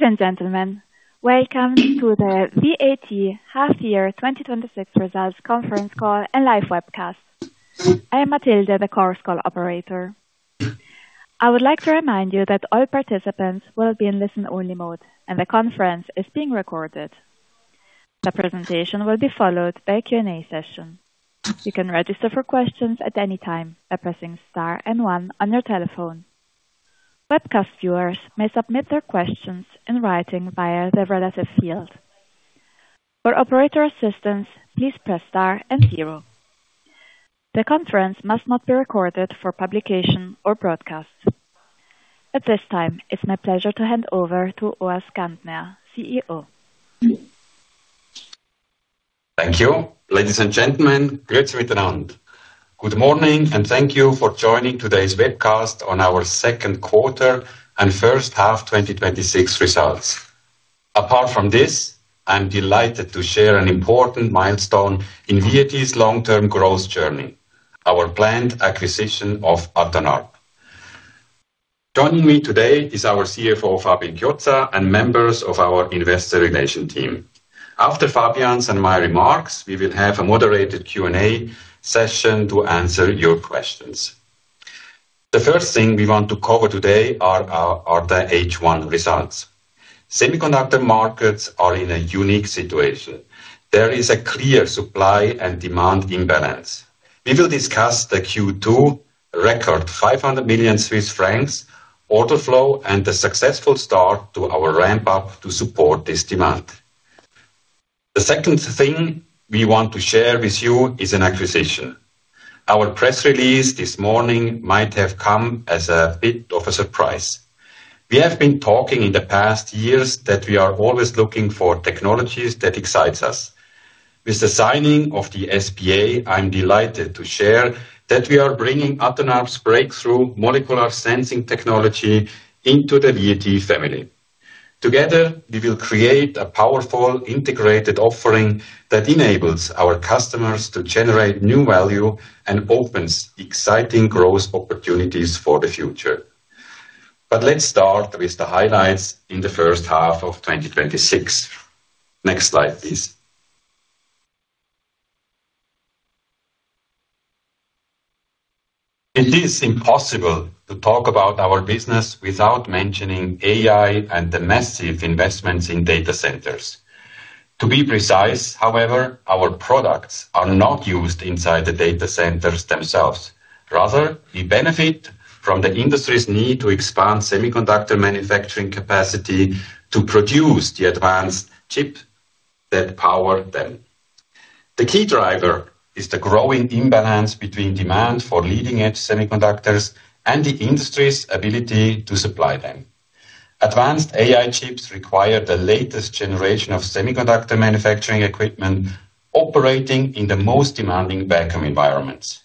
Ladies and gentlemen, welcome to the VAT half year 2026 results conference call and live webcast. I am Matilde, the conference call operator. I would like to remind you that all participants will be in listen-only mode, and the conference is being recorded. The presentation will be followed by a Q&A session. You can register for questions at any time by pressing star and one on your telephone. Webcast viewers may submit their questions in writing via the relevant field. For operator assistance, please press star and zero. The conference must not be recorded for publication or broadcast. At this time, it is my pleasure to hand over to Urs Gantner, CEO. Thank you. Ladies and gentlemen, good morning, and thank you for joining today's webcast on our second quarter and first half 2026 results. Apart from this, I am delighted to share an important milestone in VAT's long-term growth journey, our planned acquisition of Atonarp. Joining me today is our CFO, Fabian Chiozza, and members of our investor relations team. After Fabian's and my remarks, we will have a moderated Q&A session to answer your questions. The first thing we want to cover today are the H1 results. Semiconductor markets are in a unique situation. There is a clear supply and demand imbalance. We will discuss the Q2 record, 500 million Swiss francs order flow, and the successful start to our ramp-up to support this demand. The second thing we want to share with you is an acquisition. Our press release this morning might have come as a bit of a surprise. We have been talking in the past years that we are always looking for technologies that excite us. With the signing of the SPA, I am delighted to share that we are bringing Atonarp's breakthrough molecular sensing technology into the VAT family. Together, we will create a powerful integrated offering that enables our customers to generate new value and opens exciting growth opportunities for the future. Let's start with the highlights in the first half of 2026. Next slide, please. It is impossible to talk about our business without mentioning AI and the massive investments in data centers. To be precise, however, our products are not used inside the data centers themselves. Rather, we benefit from the industry's need to expand semiconductor manufacturing capacity to produce the advanced chip that power them. The key driver is the growing imbalance between demand for leading-edge semiconductors and the industry's ability to supply them. Advanced AI chips require the latest generation of semiconductor manufacturing equipment operating in the most demanding vacuum environments.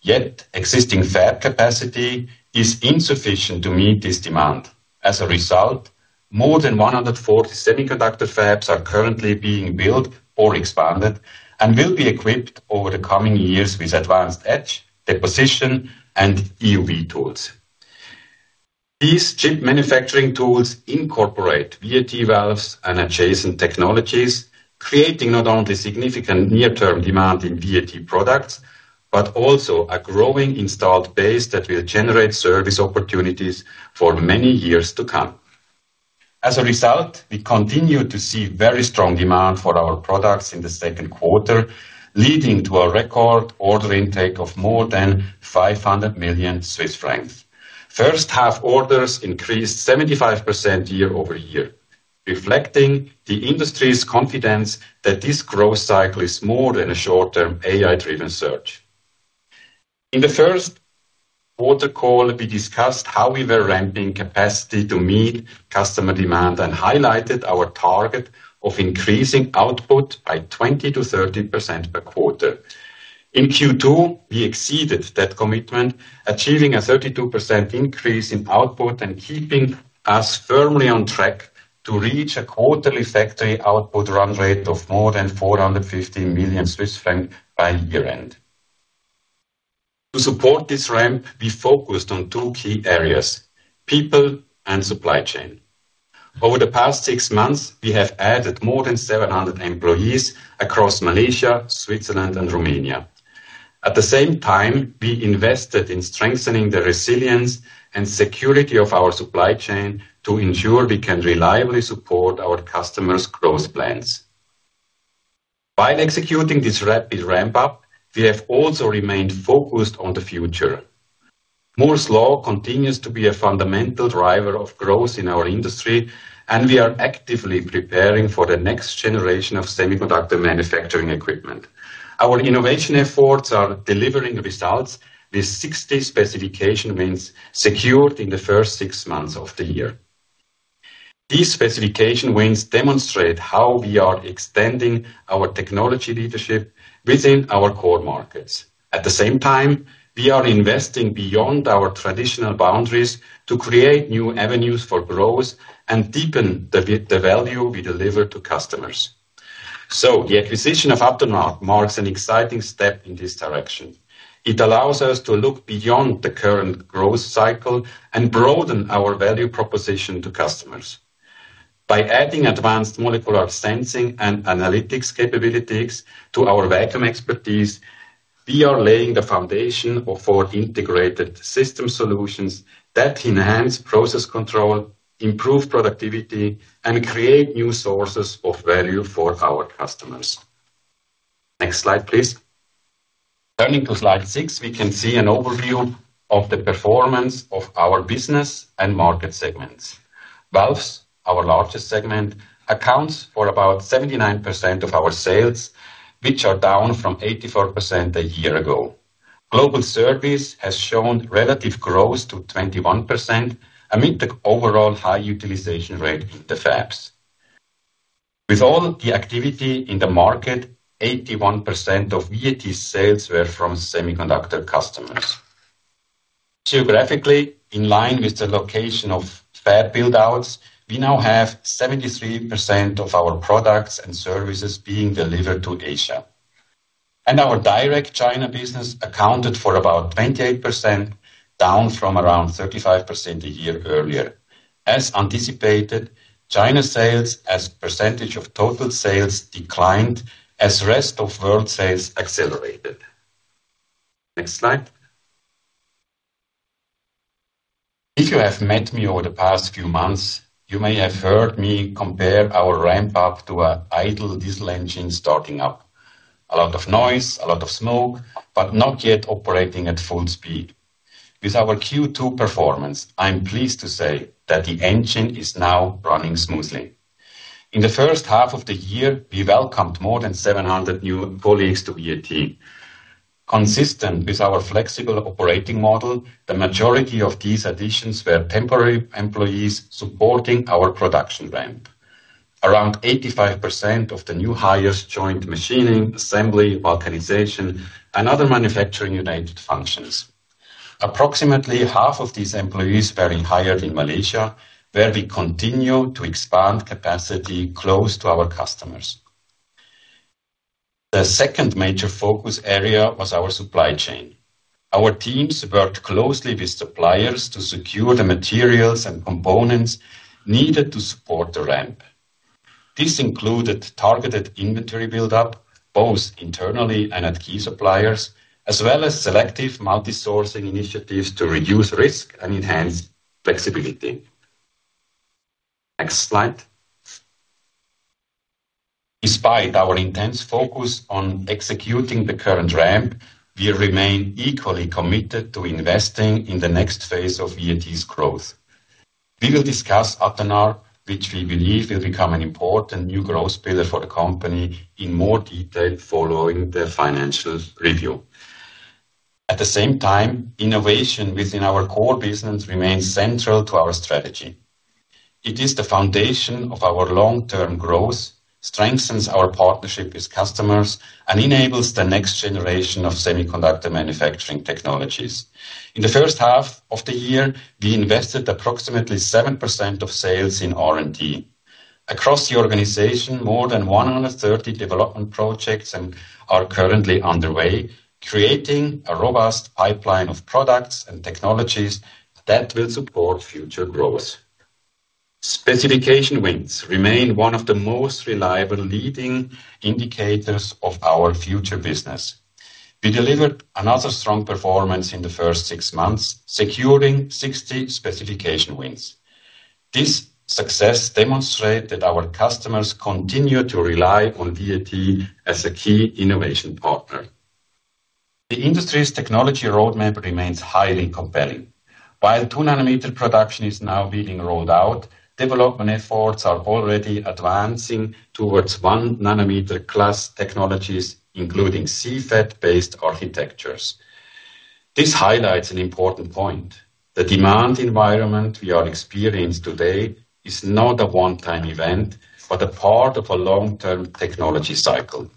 Yet existing fab capacity is insufficient to meet this demand. As a result, more than 140 semiconductor fabs are currently being built or expanded and will be equipped over the coming years with advanced etch, deposition, and EUV tools. These chip manufacturing tools incorporate VAT valves and adjacent technologies, creating not only significant near-term demand in VAT products, but also a growing installed base that will generate service opportunities for many years to come. As a result, we continue to see very strong demand for our products in the second quarter, leading to a record order intake of more than 500 million Swiss francs. First-half orders increased 75% year-over-year, reflecting the industry's confidence that this growth cycle is more than a short-term AI-driven surge. In the first quarter call, we discussed how we were ramping capacity to meet customer demand and highlighted our target of increasing output by 20%-30% per quarter. In Q2, we exceeded that commitment, achieving a 32% increase in output and keeping us firmly on track to reach a quarterly factory output run rate of more than 450 million Swiss francs by year-end. To support this ramp, we focused on two key areas, people and supply chain. Over the past six months, we have added more than 700 employees across Malaysia, Switzerland, and Romania. At the same time, we invested in strengthening the resilience and security of our supply chain to ensure we can reliably support our customers' growth plans. While executing this rapid ramp-up, we have also remained focused on the future. Moore's Law continues to be a fundamental driver of growth in our industry, and we are actively preparing for the next generation of semiconductor manufacturing equipment. Our innovation efforts are delivering results with 60 specification wins secured in the first six months of the year. These specification wins demonstrate how we are extending our technology leadership within our core markets. At the same time, we are investing beyond our traditional boundaries to create new avenues for growth and deepen the value we deliver to customers. The acquisition of Atonarp marks an exciting step in this direction. It allows us to look beyond the current growth cycle and broaden our value proposition to customers. By adding advanced molecular sensing and analytics capabilities to our vacuum expertise, we are laying the foundation for integrated system solutions that enhance process control, improve productivity, and create new sources of value for our customers. Next slide, please. Turning to slide six, we can see an overview of the performance of our business and market segments. Valves, our largest segment, accounts for about 79% of our sales, which are down from 84% a year ago. Global service has shown relative growth to 21% amid the overall high utilization rate in the fabs. With all the activity in the market, 81% of VAT sales were from semiconductor customers. Geographically in line with the location of fab build-outs, we now have 73% of our products and services being delivered to Asia. Our direct China business accounted for about 28%, down from around 35% a year earlier. As anticipated, China sales as percentage of total sales declined as rest of world sales accelerated. Next slide. If you have met me over the past few months, you may have heard me compare our ramp-up to an idle diesel engine starting up. A lot of noise, a lot of smoke, but not yet operating at full speed. With our Q2 performance, I am pleased to say that the engine is now running smoothly. In the first half of the year, we welcomed more than 700 new colleagues to VAT. Consistent with our flexible operating model, the majority of these additions were temporary employees supporting our production ramp. Around 85% of the new hires joined machining, assembly, vulcanization, and other manufacturing-related functions. Approximately half of these employees were hired in Malaysia, where we continue to expand capacity close to our customers. The second major focus area was our supply chain. Our teams worked closely with suppliers to secure the materials and components needed to support the ramp. This included targeted inventory build-up, both internally and at key suppliers, as well as selective multi-sourcing initiatives to reduce risk and enhance flexibility. Next slide. Despite our intense focus on executing the current ramp, we remain equally committed to investing in the next phase of VAT's growth. We will discuss Atonarp, which we believe will become an important new growth builder for the company, in more detail following the financial review. At the same time, innovation within our core business remains central to our strategy. It is the foundation of our long-term growth, strengthens our partnership with customers, and enables the next generation of semiconductor manufacturing technologies. In the first half of the year, we invested approximately 7% of sales in R&D. Across the organization, more than 130 development projects are currently underway, creating a robust pipeline of products and technologies that will support future growth. Specification wins remain one of the most reliable leading indicators of our future business. We delivered another strong performance in the first six months, securing 60 specification wins. This success demonstrate that our customers continue to rely on VAT as a key innovation partner. The industry's technology roadmap remains highly compelling. While two nanometer production is now being rolled out, development efforts are already advancing towards one nanometer class technologies, including CFET-based architectures. This highlights an important point. The demand environment we are experienced today is not a one-time event, but a part of a long-term technology cycle.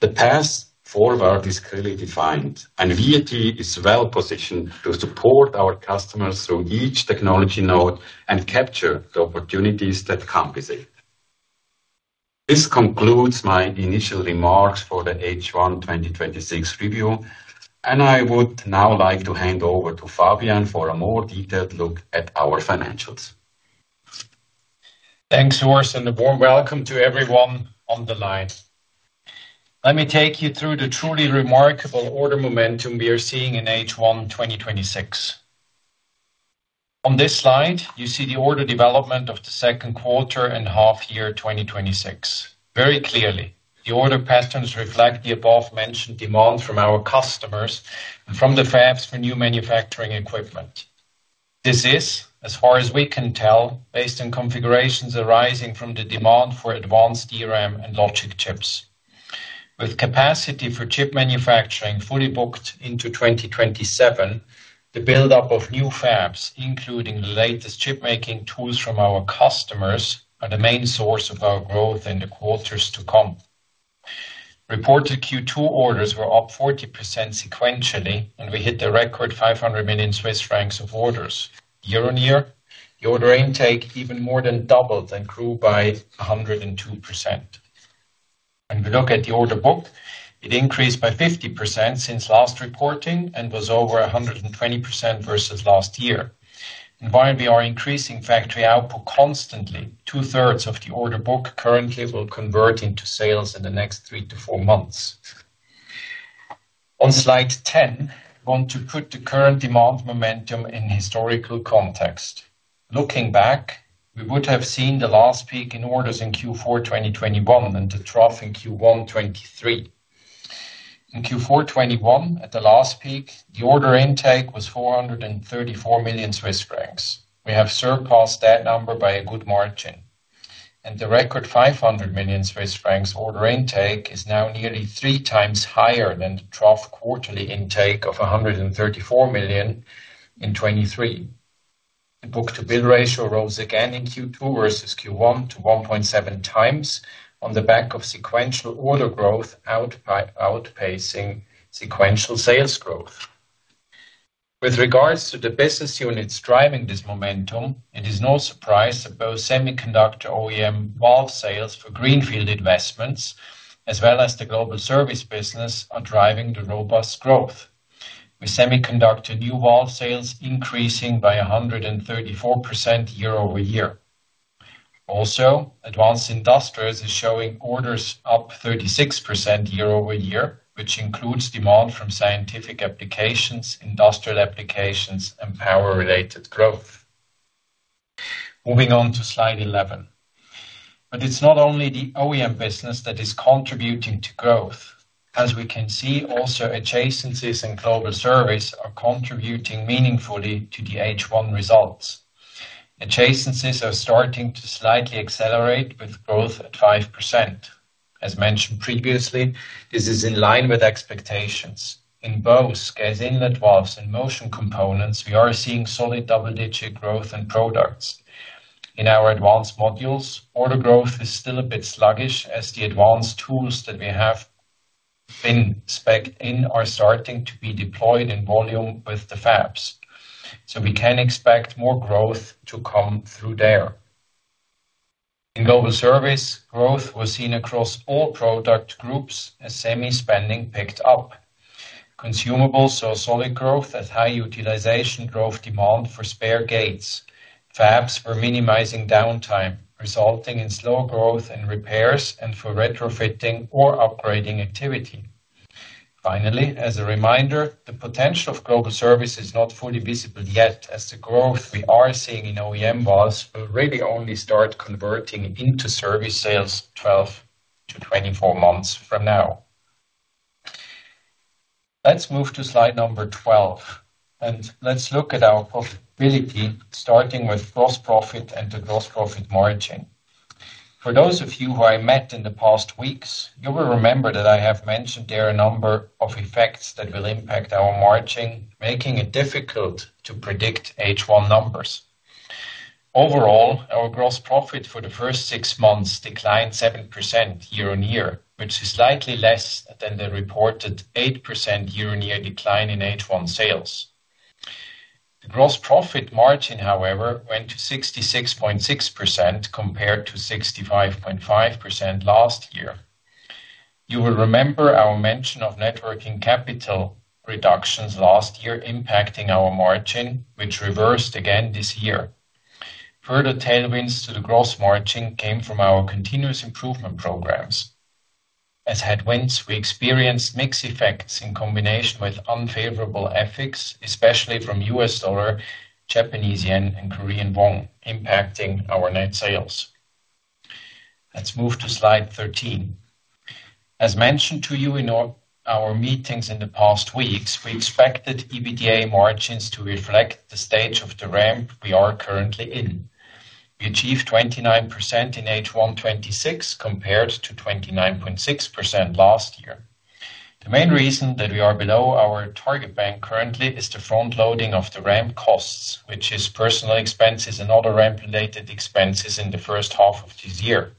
The path forward is clearly defined, and VAT is well-positioned to support our customers through each technology node and capture the opportunities that come with it. This concludes my initial remarks for the H1 2026 review. I would now like to hand over to Fabian for a more detailed look at our financials. Thanks, Urs. A warm welcome to everyone on the line. Let me take you through the truly remarkable order momentum we are seeing in H1 2026. On this slide, you see the order development of the second quarter and half year 2026. Very clearly, the order patterns reflect the above-mentioned demand from our customers from the fabs for new manufacturing equipment. This is, as far as we can tell, based on configurations arising from the demand for advanced DRAM and logic chips. With capacity for chip manufacturing fully booked into 2027, the buildup of new fabs, including the latest chipmaking tools from our customers, are the main source of our growth in the quarters to come. Reported Q2 orders were up 40% sequentially. We hit the record 500 million Swiss francs of orders. Year-on-year, the order intake even more than doubled and grew by 102%. When we look at the order book, it increased by 50% since last reporting and was over 120% versus last year. While we are increasing factory output constantly, two-thirds of the order book currently will convert into sales in the next three to four months. On slide 10, I want to put the current demand momentum in historical context. Looking back, we would have seen the last peak in orders in Q4 2021 and the trough in Q1 2023. In Q4 2021, at the last peak, the order intake was 434 million Swiss francs. We have surpassed that number by a good margin. The record 500 million Swiss francs order intake is now nearly three times higher than the trough quarterly intake of 134 million in 2023. The book-to-bill ratio rose again in Q2 versus Q1 to 1.7x on the back of sequential order growth outpacing sequential sales growth. With regards to the business units driving this momentum, it is no surprise that both semiconductor OEM valve sales for greenfield investments, as well as the global service business, are driving the robust growth, with semiconductor new valve sales increasing by 134% year-over-year. Also, Advanced Industrials is showing orders up 36% year-over-year, which includes demand from scientific applications, industrial applications, and power-related growth. Moving on to slide 11. It's not only the OEM business that is contributing to growth. As we can see, also adjacencies and global service are contributing meaningfully to the H1 results. Adjacencies are starting to slightly accelerate with growth at 5%. As mentioned previously, this is in line with expectations. In both gas inlet valves and motion components, we are seeing solid double-digit growth in products. In our advanced modules, order growth is still a bit sluggish as the advanced tools that we have been spec'd in are starting to be deployed in volume with the fabs. We can expect more growth to come through there. In global service, growth was seen across all product groups as semi spending picked up. Consumables saw solid growth as high utilization drove demand for spare gates. Fabs were minimizing downtime, resulting in slow growth in repairs and for retrofitting or upgrading activity. Finally, as a reminder, the potential of global service is not fully visible yet, as the growth we are seeing in OEM valves will really only start converting into service sales 12-24 months from now. Let's move to slide 12. Let's look at our profitability, starting with gross profit and the gross profit margin. For those of you who I met in the past weeks, you will remember that I have mentioned there are a number of effects that will impact our margin, making it difficult to predict H1 numbers. Overall, our gross profit for the first six months declined 7% year-on-year, which is slightly less than the reported 8% year-on-year decline in H1 sales. The gross profit margin, however, went to 66.6% compared to 65.5% last year. You will remember our mention of net working capital reductions last year impacting our margin, which reversed again this year. Further tailwinds to the gross margin came from our continuous improvement programs. As headwinds, we experienced mixed effects in combination with unfavorable FX, especially from U.S. dollar, Japanese yen, and Korean won, impacting our net sales. Let's move to slide 13. As mentioned to you in our meetings in the past weeks, we expected EBITDA margins to reflect the stage of the ramp we are currently in. We achieved 29% in H1 2026 compared to 29.6% last year. The main reason that we are below our target band currently is the frontloading of the ramp costs, which is personal expenses and other ramp-related expenses in the first half of this year.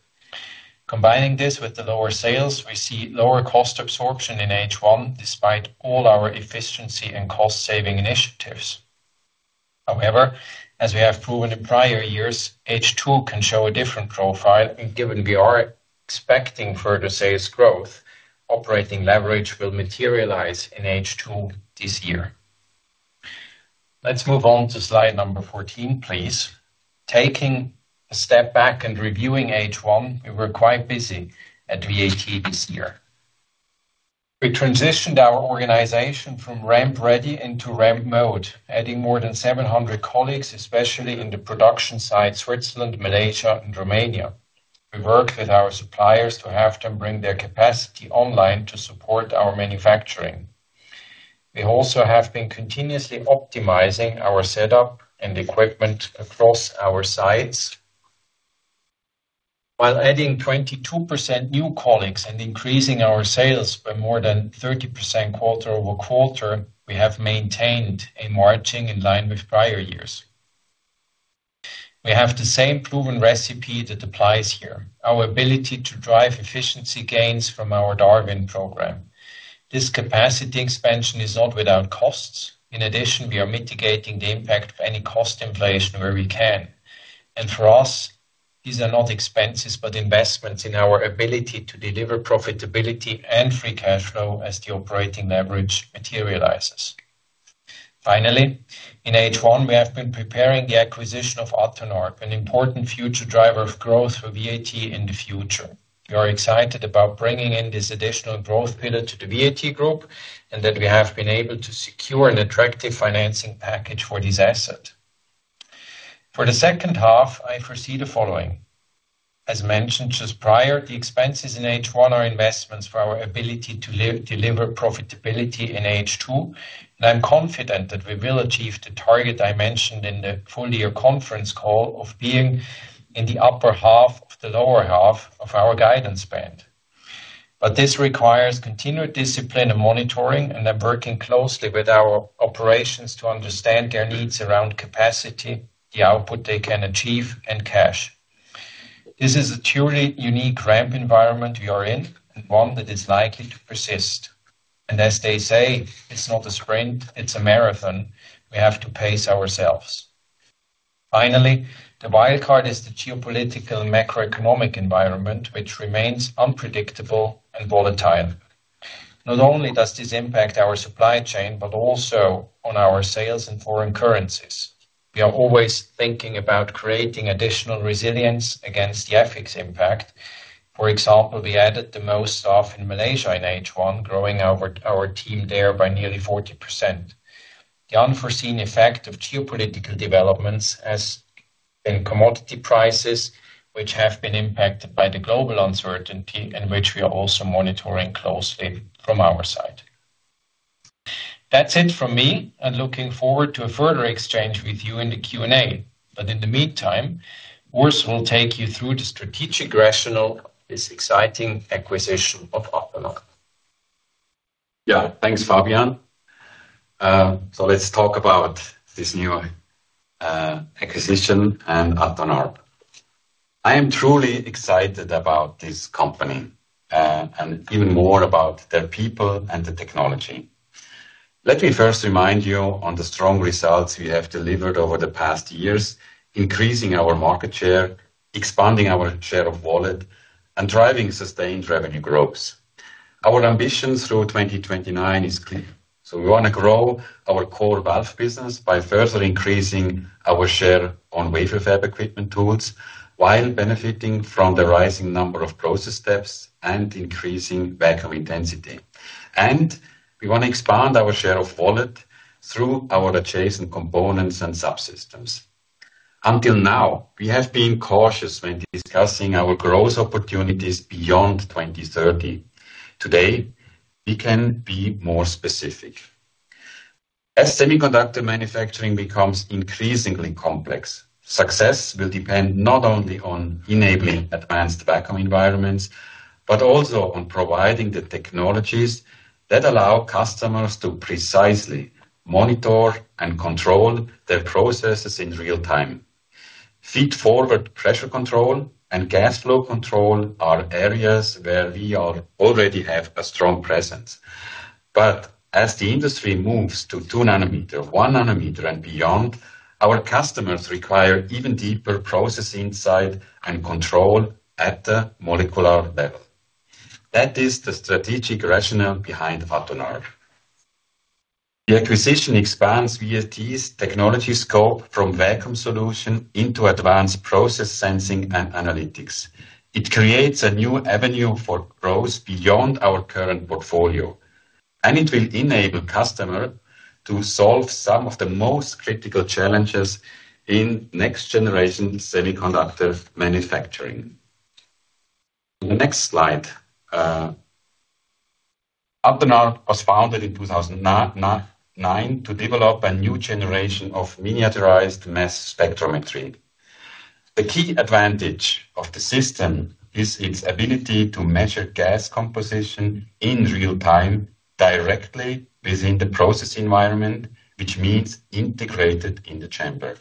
Combining this with the lower sales, we see lower cost absorption in H1, despite all our efficiency and cost-saving initiatives. As we have proven in prior years, H2 can show a different profile, and given we are expecting further sales growth, operating leverage will materialize in H2 this year. Let's move on to slide number 14, please. Taking a step back and reviewing H1, we were quite busy at VAT this year. We transitioned our organization from ramp-ready into ramp mode, adding more than 700 colleagues, especially in the production sites Switzerland, Malaysia, and Romania. We worked with our suppliers to have them bring their capacity online to support our manufacturing. We also have been continuously optimizing our setup and equipment across our sites. While adding 22% new colleagues and increasing our sales by more than 30% quarter-over-quarter, we have maintained a margin in line with prior years. We have the same proven recipe that applies here. Our ability to drive efficiency gains from our Darwin program. This capacity expansion is not without costs. We are mitigating the impact of any cost inflation where we can. For us, these are not expenses, but investments in our ability to deliver profitability and free cash flow as the operating leverage materializes. In H1, we have been preparing the acquisition of Atonarp, an important future driver of growth for VAT in the future. We are excited about bringing in this additional growth pillar to the VAT Group, and that we have been able to secure an attractive financing package for this asset. For the second half, I foresee the following. As mentioned just prior, the expenses in H1 are investments for our ability to deliver profitability in H2, and I'm confident that we will achieve the target I mentioned in the full year conference call of being in the upper half of the lower half of our guidance band. This requires continued discipline and monitoring, and I'm working closely with our operations to understand their needs around capacity, the output they can achieve, and cash. This is a truly unique ramp environment we are in, and one that is likely to persist. As they say, it's not a sprint, it's a marathon. We have to pace ourselves. The wild card is the geopolitical macroeconomic environment, which remains unpredictable and volatile. Not only does this impact our supply chain, but also on our sales and foreign currencies. We are always thinking about creating additional resilience against the FX impact. For example, we added the most staff in Malaysia in H1, growing our team there by nearly 40%. The unforeseen effect of geopolitical developments has been commodity prices, which have been impacted by the global uncertainty and which we are also monitoring closely from our side. That's it from me. I'm looking forward to a further exchange with you in the Q&A. In the meantime, Urs will take you through the strategic rationale of this exciting acquisition of Atonarp. Yeah. Thanks, Fabian. Let's talk about this new acquisition and Atonarp. I am truly excited about this company, and even more about their people and the technology. Let me first remind you on the strong results we have delivered over the past years, increasing our market share, expanding our share of wallet, and driving sustained revenue growth. Our ambition through 2029 is clear. We want to grow our core valve business by further increasing our share on wafer fab equipment tools while benefiting from the rising number of process steps and increasing vacuum intensity. We want to expand our share of wallet through our adjacent components and subsystems. Until now, we have been cautious when discussing our growth opportunities beyond 2030. Today, we can be more specific. As semiconductor manufacturing becomes increasingly complex, success will depend not only on enabling advanced vacuum environments, but also on providing the technologies that allow customers to precisely monitor and control their processes in real-time. Feed-forward pressure control and gas flow control are areas where we already have a strong presence. As the industry moves to two nanometer, one nanometer, and beyond, our customers require even deeper process insight and control at the molecular level. That is the strategic rationale behind Atonarp. The acquisition expands VAT's technology scope from vacuum solution into advanced process sensing and analytics. It creates a new avenue for growth beyond our current portfolio, and it will enable customer to solve some of the most critical challenges in next-generation semiconductor manufacturing. The next slide. Atonarp was founded in 2009 to develop a new generation of miniaturized mass spectrometry. The key advantage of the system is its ability to measure gas composition in real-time directly within the process environment, which means integrated in the chamber.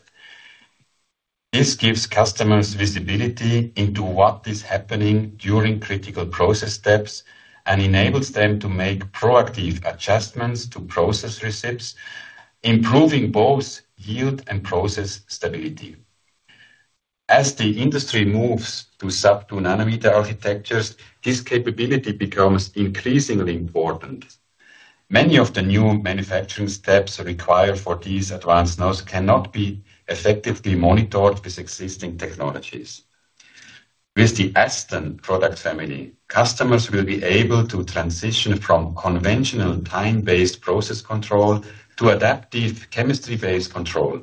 This gives customers visibility into what is happening during critical process steps and enables them to make proactive adjustments to process recipes, improving both yield and process stability. As the industry moves to sub-two nanometer architectures, this capability becomes increasingly important. Many of the new manufacturing steps required for these advanced nodes cannot be effectively monitored with existing technologies. With the Aston product family, customers will be able to transition from conventional time-based process control to adaptive chemistry-based control.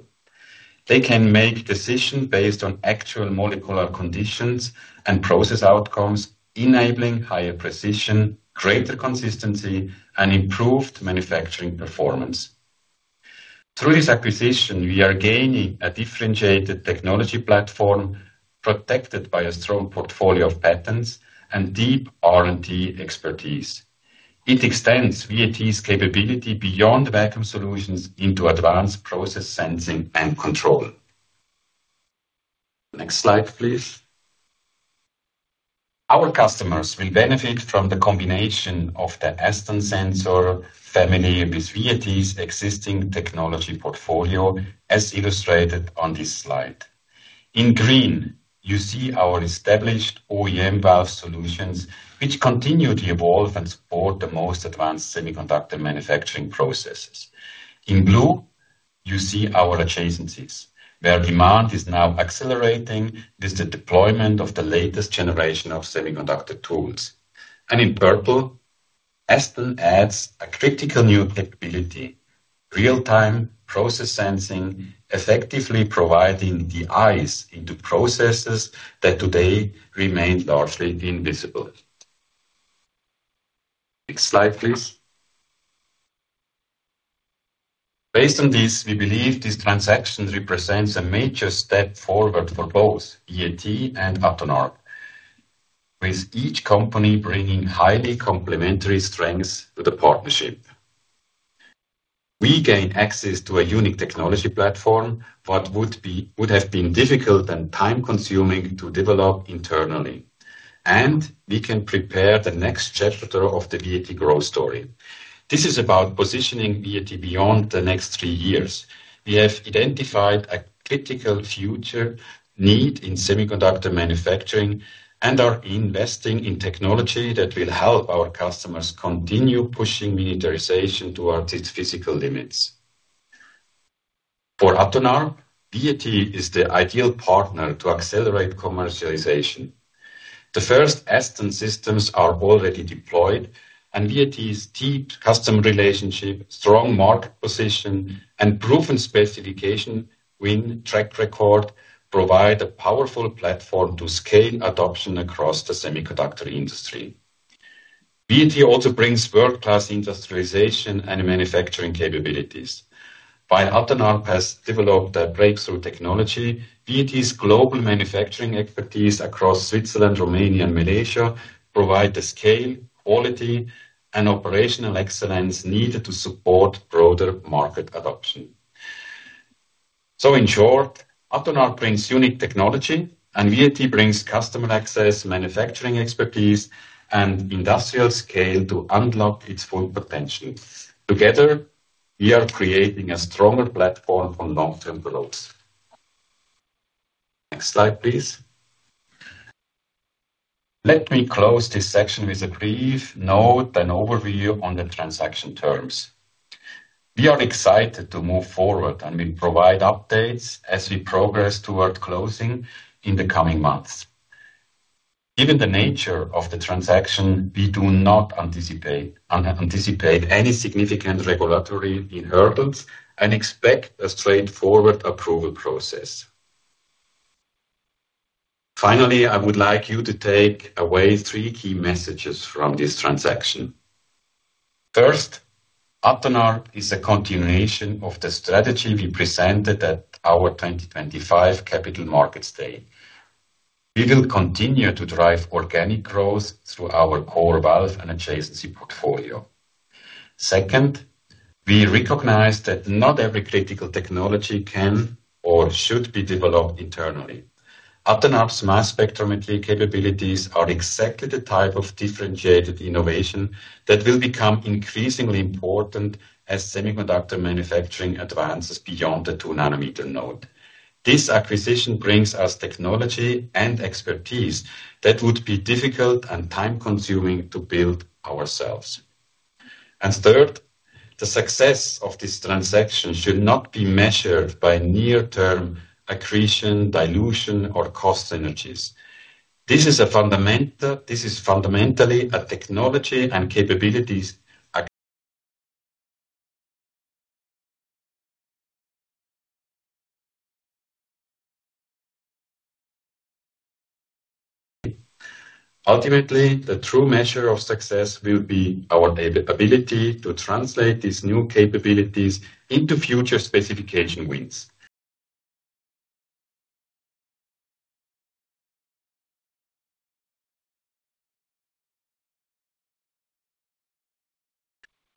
They can make decision based on actual molecular conditions and process outcomes, enabling higher precision, greater consistency, and improved manufacturing performance. Through this acquisition, we are gaining a differentiated technology platform protected by a strong portfolio of patents and deep R&D expertise. It extends VAT's capability beyond vacuum solutions into advanced process sensing and control. Next slide, please. Our customers will benefit from the combination of the Aston sensor family with VAT's existing technology portfolio, as illustrated on this slide. In green, you see our established OEM valve solutions, which continue to evolve and support the most advanced semiconductor manufacturing processes. In blue, you see our adjacencies, where demand is now accelerating with the deployment of the latest generation of semiconductor tools. In purple, Aston adds a critical new capability, real-time process sensing, effectively providing the eyes into processes that today remain largely invisible. Next slide, please. Based on this, we believe this transaction represents a major step forward for both VAT and Atonarp, with each company bringing highly complementary strengths to the partnership. We gain access to a unique technology platform, what would have been difficult and time-consuming to develop internally, and we can prepare the next chapter of the VAT growth story. This is about positioning VAT beyond the next three years. We have identified a critical future need in semiconductor manufacturing and are investing in technology that will help our customers continue pushing miniaturization towards its physical limits. For Atonarp, VAT is the ideal partner to accelerate commercialization. The first Aston systems are already deployed, and VAT's deep customer relationship, strong market position, and proven specification win track record provide a powerful platform to scale adoption across the semiconductor industry. VAT also brings world-class industrialization and manufacturing capabilities. While Atonarp has developed a breakthrough technology, VAT's global manufacturing expertise across Switzerland, Romania, and Malaysia provide the scale, quality, and operational excellence needed to support broader market adoption. In short, Atonarp brings unique technology, and VAT brings customer access, manufacturing expertise, and industrial scale to unlock its full potential. Together, we are creating a stronger platform for long-term growth. Next slide, please. Let me close this section with a brief note and overview on the transaction terms. We are excited to move forward, and we will provide updates as we progress toward closing in the coming months. Given the nature of the transaction, we do not anticipate any significant regulatory hurdles and expect a straightforward approval process. Finally, I would like you to take away three key messages from this transaction. First, Atonarp is a continuation of the strategy we presented at our 2025 Capital Markets Day. We will continue to drive organic growth through our core valve and adjacency portfolio. Second, we recognize that not every critical technology can or should be developed internally. Atonarp's mass spectrometry capabilities are exactly the type of differentiated innovation that will become increasingly important as semiconductor manufacturing advances beyond the two nanometer node. This acquisition brings us technology and expertise that would be difficult and time-consuming to build ourselves. Third, the success of this transaction should not be measured by near-term accretion, dilution, or cost synergies. This is fundamentally a technology and capabilities acquisition. Ultimately, the true measure of success will be our ability to translate these new capabilities into future specification wins.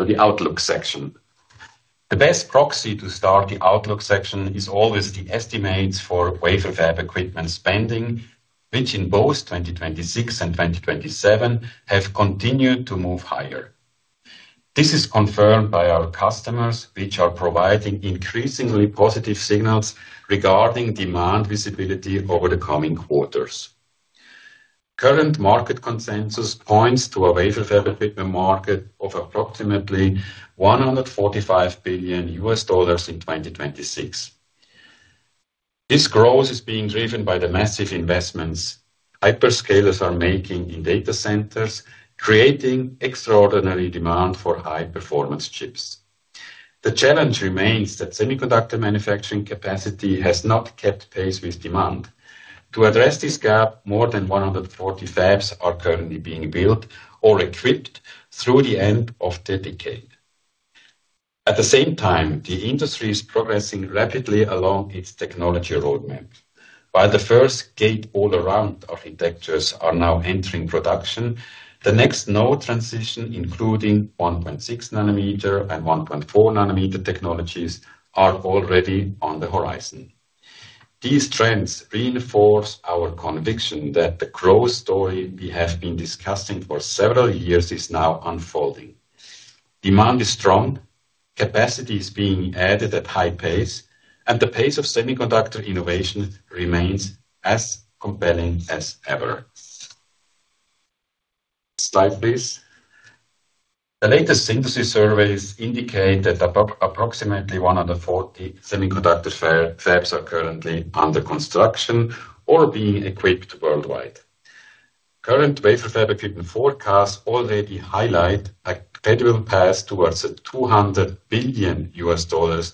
The outlook section. The best proxy to start the outlook section is always the estimates for wafer fab equipment spending, which in both 2026 and 2027 have continued to move higher. This is confirmed by our customers, which are providing increasingly positive signals regarding demand visibility over the coming quarters. Current market consensus points to a wafer fab equipment market of approximately $145 billion in 2026. This growth is being driven by the massive investments hyperscalers are making in data centers, creating extraordinary demand for high-performance chips. The challenge remains that semiconductor manufacturing capacity has not kept pace with demand. To address this gap, more than 140 fabs are currently being built or equipped through the end of the decade. At the same time, the industry is progressing rapidly along its technology roadmap. While the first gate-all-around architectures are now entering production, the next node transition, including 1.6 nm and 1.4 nm technologies, are already on the horizon. These trends reinforce our conviction that the growth story we have been discussing for several years is now unfolding. Demand is strong, capacity is being added at high pace, and the pace of semiconductor innovation remains as compelling as ever. Slide, please. The latest synthesis surveys indicate that approximately 140 semiconductor fabs are currently under construction or being equipped worldwide. Current wafer fab equipment forecasts already highlight a credible path towards a $200 billion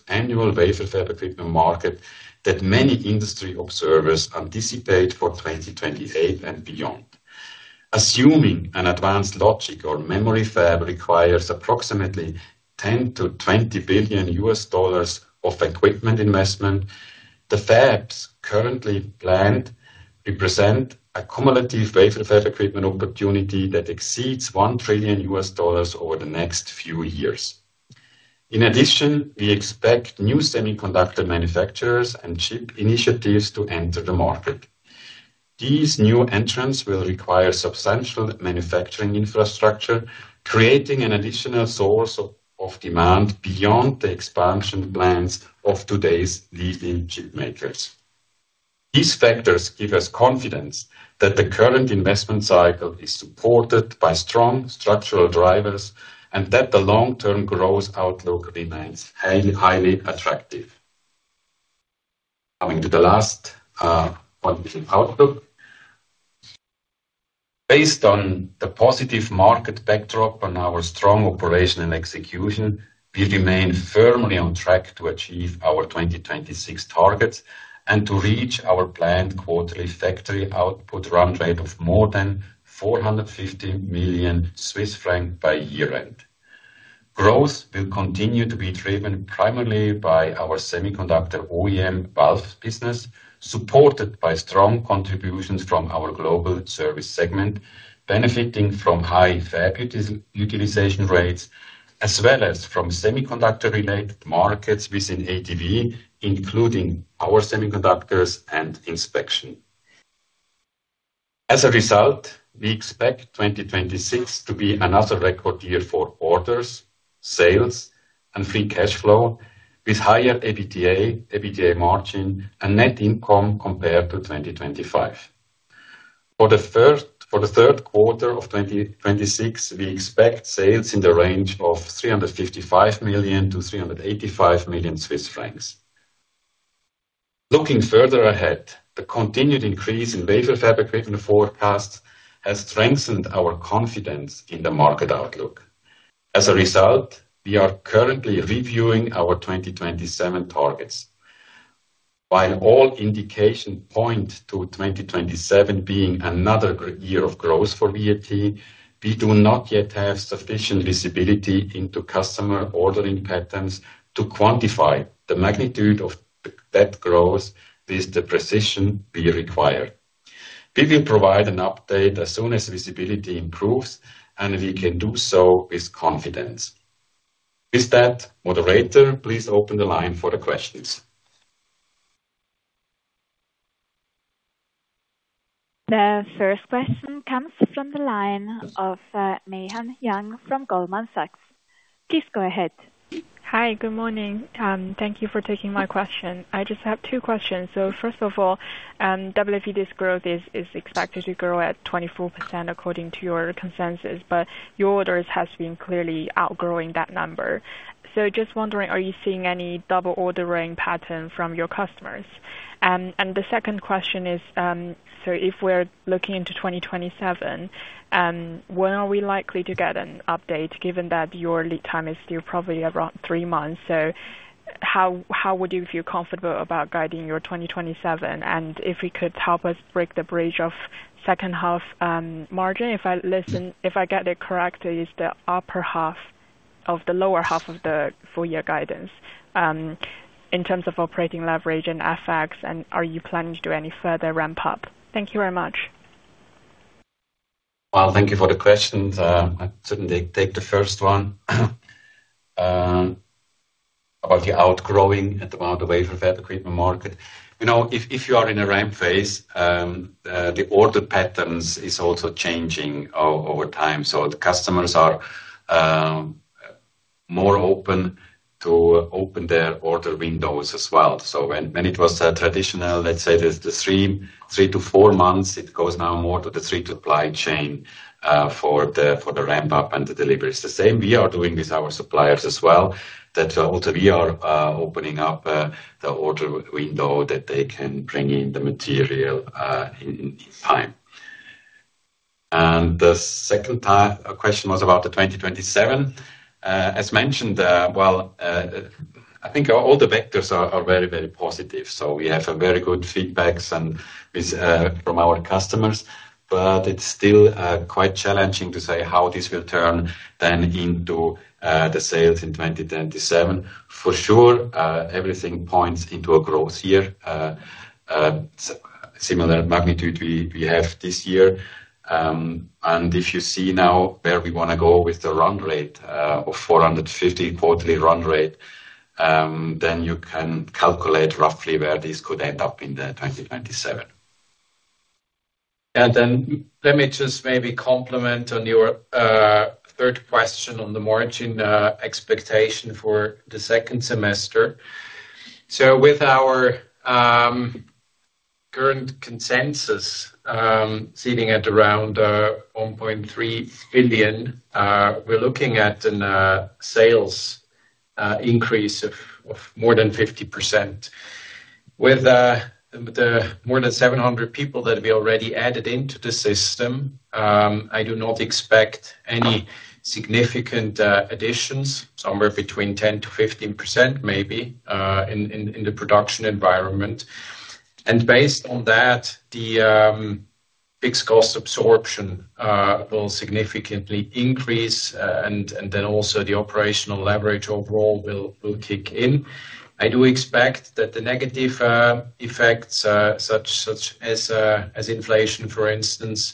annual wafer fab equipment market that many industry observers anticipate for 2028 and beyond. Assuming an advanced logic or memory fab requires approximately $10 billion-$20 billion of equipment investment, the fabs currently planned represent a cumulative wafer fab equipment opportunity that exceeds $1 trillion over the next few years. In addition, we expect new semiconductor manufacturers and chip initiatives to enter the market. These new entrants will require substantial manufacturing infrastructure, creating an additional source of demand beyond the expansion plans of today's leading chip makers. These factors give us confidence that the current investment cycle is supported by strong structural drivers, and that the long-term growth outlook remains highly attractive. Coming to the last one, which is outlook. Based on the positive market backdrop and our strong operation and execution, we remain firmly on track to achieve our 2026 targets and to reach our planned quarterly factory output run rate of more than 450 million Swiss francs by year-end. Growth will continue to be driven primarily by our semiconductor OEM valves business, supported by strong contributions from our global service segment, benefiting from high fab utilization rates as well as from semiconductor-related markets within ADV, including power semiconductors and inspection. As a result, we expect 2026 to be another record year for orders, sales, and free cash flow, with higher EBITDA margin, and net income compared to 2025. For the third quarter of 2026, we expect sales in the range of 355 million-385 million Swiss francs. Looking further ahead, the continued increase in wafer fab equipment forecasts has strengthened our confidence in the market outlook. As a result, we are currently reviewing our 2027 targets. While all indications point to 2027 being another year of growth for VAT, we do not yet have sufficient visibility into customer ordering patterns to quantify the magnitude of that growth with the precision we require. We will provide an update as soon as visibility improves, and we can do so with confidence. With that, moderator, please open the line for the questions. The first question comes from the line of Meihan Yang from Goldman Sachs. Please go ahead. Hi. Good morning. Thank you for taking my question. I just have two questions. First of all, WFE's growth is expected to grow at 24%, according to your consensus, but your orders has been clearly outgrowing that number. Just wondering, are you seeing any double ordering pattern from your customers? The second question is, if we're looking into 2027, when are we likely to get an update, given that your lead time is still probably around three months? How would you feel comfortable about guiding your 2027? If you could help us break the bridge of second half margin. If I get it correct, is the upper half of the lower half of the full year guidance, in terms of operating leverage and FX, are you planning to do any further ramp up? Thank you very much. Well, thank you for the questions. I certainly take the first one about the outgrowing and about the Wafer Fab Equipment market. If you are in a ramp phase, the order patterns is also changing over time. The customers are more open to open their order windows as well. When it was traditional, let's say the three to four months, it goes now more to the three to supply chain for the ramp-up and the deliveries. The same we are doing with our suppliers as well, that also we are opening up the order window that they can bring in the material in time. The second question was about the 2027. As mentioned, well, I think all the vectors are very positive. We have very good feedbacks from our customers, but it's still quite challenging to say how this will turn then into the sales in 2027. For sure, everything points into a growth year, similar magnitude we have this year. If you see now where we want to go with the run rate of 450 quarterly run rate, then you can calculate roughly where this could end up in the 2027. Then let me just maybe complement on your third question on the margin expectation for the second semester. With our current consensus sitting at around 1.3 billion, we're looking at a sales increase of more than 50%. With the more than 700 people that we already added into the system, I do not expect any significant additions. Somewhere between 10%-15%, maybe, in the production environment. Based on that, the fixed cost absorption will significantly increase, and then also the operational leverage overall will kick in. I do expect that the negative effects, such as inflation, for instance,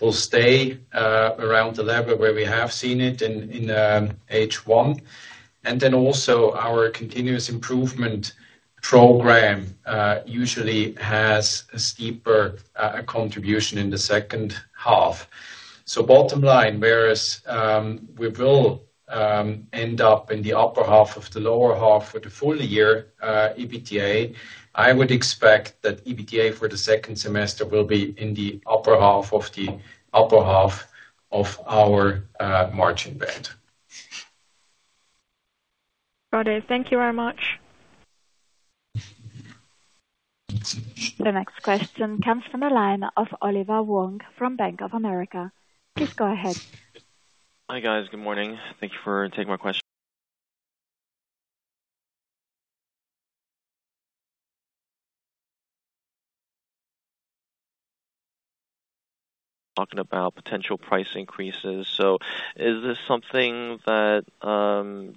will stay around the level where we have seen it in H1. Then also our continuous improvement program usually has a steeper contribution in the second half. Bottom line, whereas we will end up in the upper half of the lower half for the full year EBITDA, I would expect that EBITDA for the second semester will be in the upper half of the upper half of our margin band. Got it. Thank you very much. The next question comes from the line of Oliver Wong from Bank of America. Please go ahead. Hi, guys. Good morning. Thank you for taking my question. Talking about potential price increases. Is this something that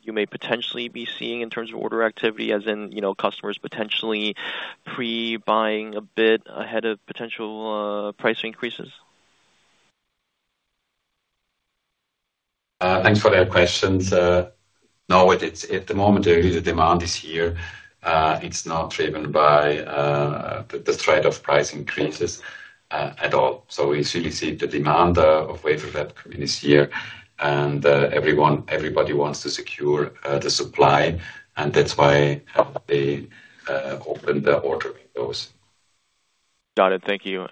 you may potentially be seeing in terms of order activity as in customers potentially pre-buying a bit ahead of potential price increases? Thanks for that question. No. At the moment, the demand is here. It's not driven by the threat of price increases at all. We simply see the demand of wafer fab coming this year, and everybody wants to secure the supply, and that's why they open their order windows. Got it. Thank you.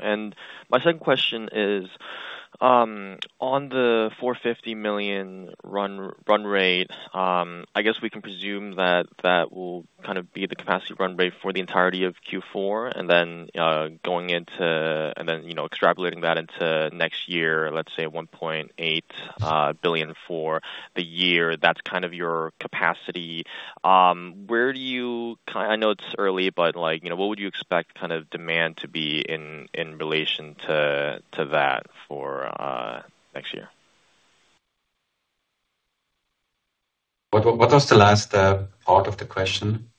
My second question is, on the 450 million run rate, I guess we can presume that that will be the capacity run rate for the entirety of Q4, then extrapolating that into next year, let's say 1.8 billion for the year. That's kind of your capacity. I know it's early, but what would you expect demand to be in relation to that for next year? What was the last part of the question?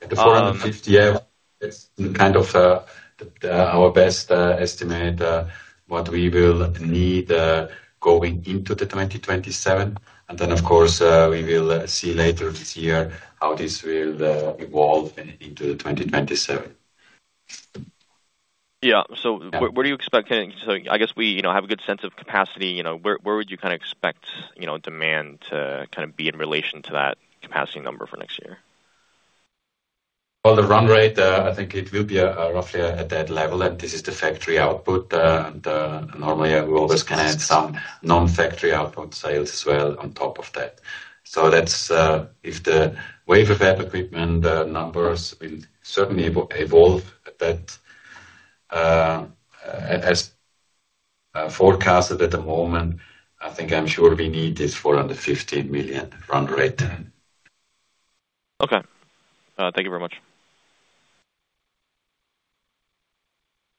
The 450 million, yeah. It's kind of our best estimate, what we will need going into 2027. Then, of course, we will see later this year how this will evolve into 2027. Yeah. What do you expect? I guess we have a good sense of capacity. Where would you expect demand to be in relation to that capacity number for next year? Well, the run rate, I think it will be roughly at that level, and this is the factory output. Normally, we always can add some non-factory output sales as well on top of that. If the Wafer Fab Equipment numbers will certainly evolve as forecasted at the moment, I think I'm sure we need this 450 million run rate. Okay. Thank you very much.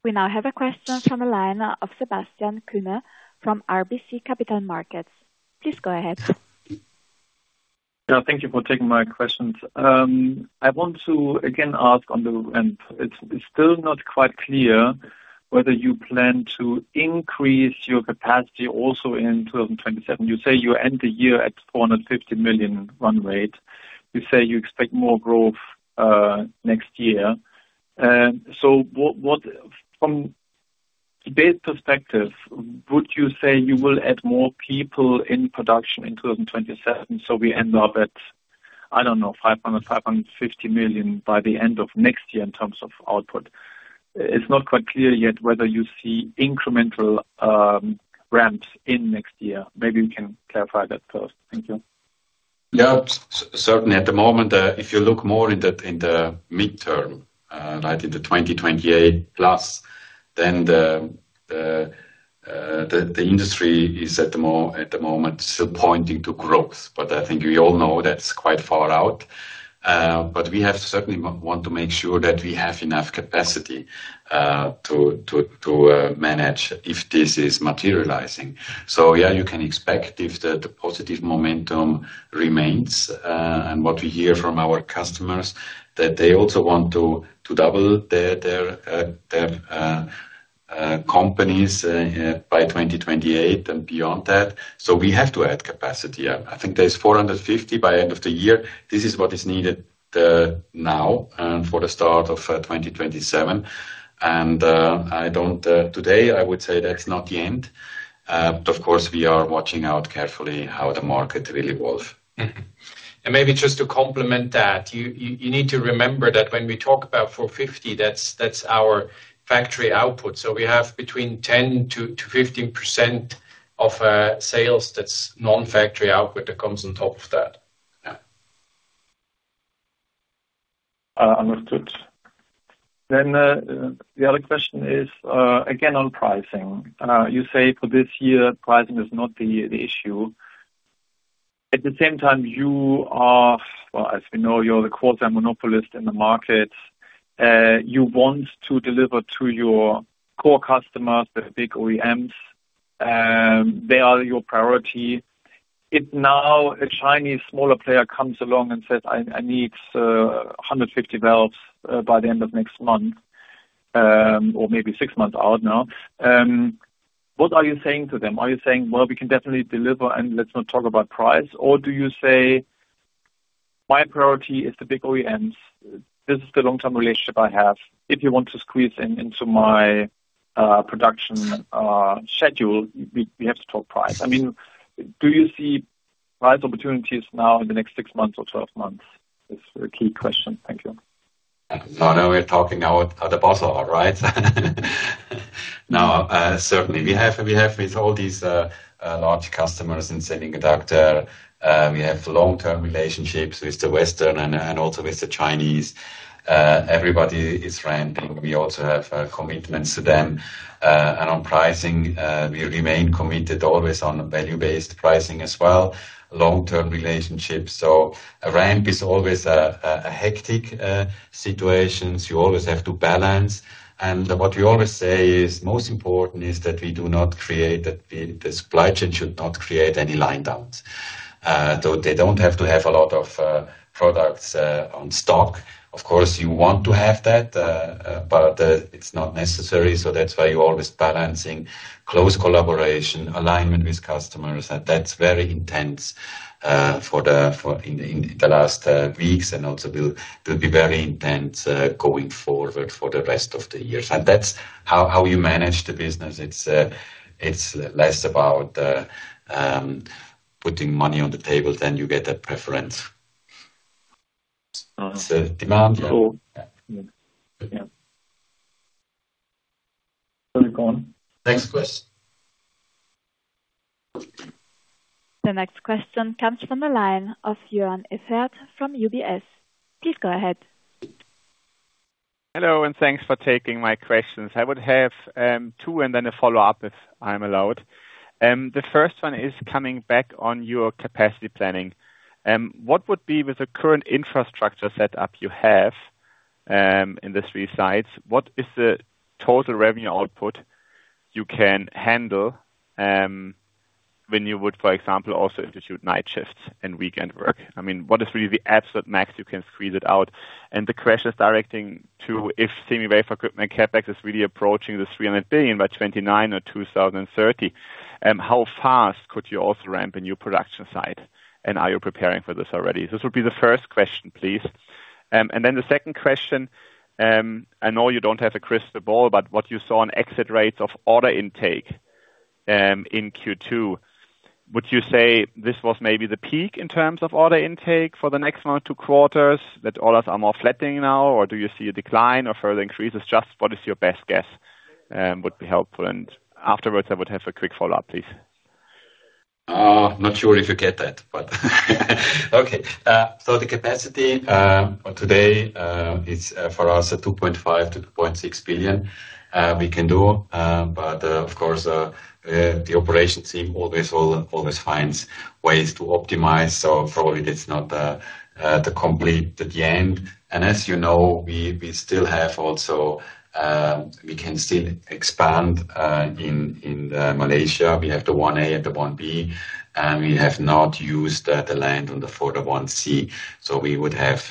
We now have a question from the line of Sebastian Kuenne from RBC Capital Markets. Please go ahead. Yeah. Thank you for taking my questions. I want to again ask on the. It is still not quite clear whether you plan to increase your capacity also in 2027. You say you end the year at 450 million run rate. You say you expect more growth next year. From base perspective, would you say you will add more people in production in 2027, so we end up at, I don't know, 500 million, 550 million by the end of next year in terms of output? It is not quite clear yet whether you see incremental ramps in next year. Maybe you can clarify that first. Thank you. Yeah. Certainly at the moment, if you look more in the midterm, like in the 2028+, the industry is at the moment still pointing to growth. I think we all know that's quite far out. We certainly want to make sure that we have enough capacity to manage if this is materializing. Yeah, you can expect if the positive momentum remains, and what we hear from our customers, that they also want to double their companies by 2028 and beyond that. We have to add capacity. I think there is 450 million by end of the year. This is what is needed now and for the start of 2027. Today I would say that's not the end. Of course, we are watching out carefully how the market really evolves. Maybe just to complement that, you need to remember that when we talk about 450 million, that's our factory output. We have between 10%-15% of sales that's non-factory output that comes on top of that. Understood. The other question is again on pricing. You say for this year, pricing is not the issue. At the same time, as we know, you're the quasi monopolist in the market. You want to deliver to your core customers, the big OEMs. They are your priority. If now a Chinese smaller player comes along and says, "I need 150 valves by the end of next month," or maybe six months out now, what are you saying to them? Are you saying, "Well, we can definitely deliver, and let's not talk about price?" Do you say, "My priority is the big OEMs. This is the long-term relationship I have. If you want to squeeze in into my production schedule, we have to talk price." Do you see price opportunities now in the next six months or 12 months, is the key question. Thank you. Now we're talking out of the puzzle, right? Certainly. We have with all these large customers in semiconductor, we have long-term relationships with the Western and also with the Chinese. Everybody is ramping. We also have commitments to them. On pricing, we remain committed always on value-based pricing as well, long-term relationships. A ramp is always a hectic situation. You always have to balance. What we always say is, most important is that the supply chain should not create any line downs. Though they don't have to have a lot of products on stock. Of course, you want to have that, but it's not necessary. That's why you're always balancing close collaboration, alignment with customers. That's very intense in the last weeks and also will be very intense going forward for the rest of the years. That's how we manage the business. It's less about putting money on the table, then you get a preference. It's the demand. Cool. Yeah. Very cool. Thanks, Sebastian. The next question comes from the line of Joern Iffert from UBS. Please go ahead. Hello. Thanks for taking my questions. I would have two, then a follow-up if I'm allowed. The first one is coming back on your capacity planning. What would be with the current infrastructure set up you have in the three sites, what is the total revenue output you can handle, when you would, for example, also institute night shifts and weekend work? What is really the absolute max you can squeeze it out? The question is directing to, if semi-wafer equipment CapEx is really approaching the 300 billion by 2029 or 2030, how fast could you also ramp a new production site? Are you preparing for this already? This would be the first question, please. The second question, I know you don't have a crystal ball, but what you saw on exit rates of order intake, in Q2, would you say this was maybe the peak in terms of order intake for the next one or two quarters, that orders are more flattening now, or do you see a decline or further increases? Just what is your best guess, would be helpful. Afterwards, I would have a quick follow-up, please. Not sure if you get that. Okay. The capacity, for today, it's for us a 2.5 billion-2.6 billion we can do. Of course, the operations team always finds ways to optimize. Probably that's not the complete, the end. As you know, we can still expand in Malaysia. We have the 1A and the 1B. We have not used the land on the [Photo 1C]. We would have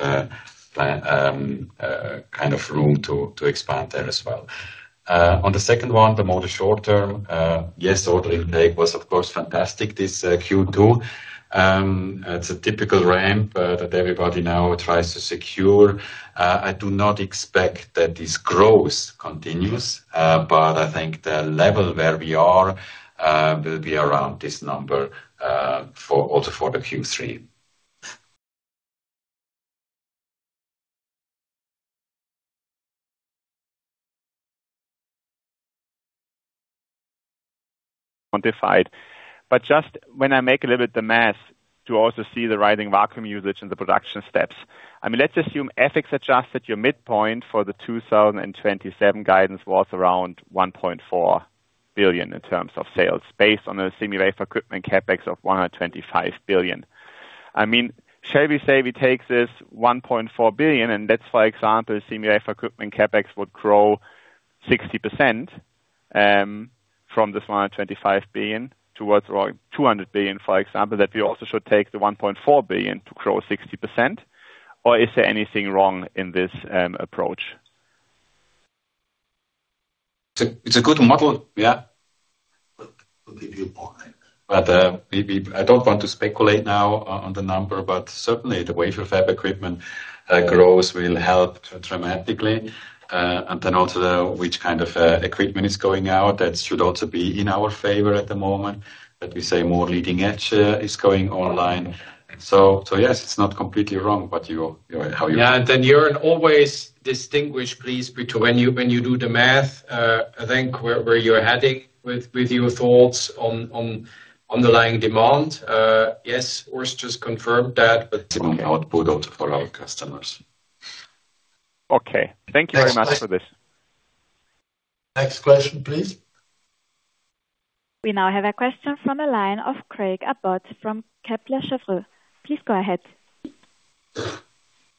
room to expand there as well. On the second one, the more the short term, yes, order intake was of course fantastic this Q2. It's a typical ramp that everybody now tries to secure. I do not expect that this growth continues, but I think the level where we are, will be around this number also for the Q3. quantified. Just when I make a little bit the math to also see the rising vacuum usage in the production steps. Let's assume FX adjusted your midpoint for the 2027 guidance was around $1.4 billion in terms of sales based on a semiconductor equipment CapEx of 125 million. Shall we say we take this $1.4 billion and that's, for example, semiconductor equipment CapEx would grow 60% from this 125 million towards 200 million, for example, that we also should take the $1.4 billion to grow 60%? Is there anything wrong in this approach? It's a good model, yeah. Maybe a bit more. Maybe I don't want to speculate now on the number, but certainly the wafer fab equipment growth will help dramatically. Also which kind of equipment is going out, that should also be in our favor at the moment. We say more leading edge is going online. Yes, it's not completely wrong. Yeah. Then you're always distinguish, please, between when you do the math, I think where you're heading with your thoughts on underlying demand. Yes, Urs just confirmed that. Output for our customers. Okay. Thank you very much for this. Next question, please. We now have a question from the line of Craig Abbott from Kepler Cheuvreux. Please go ahead.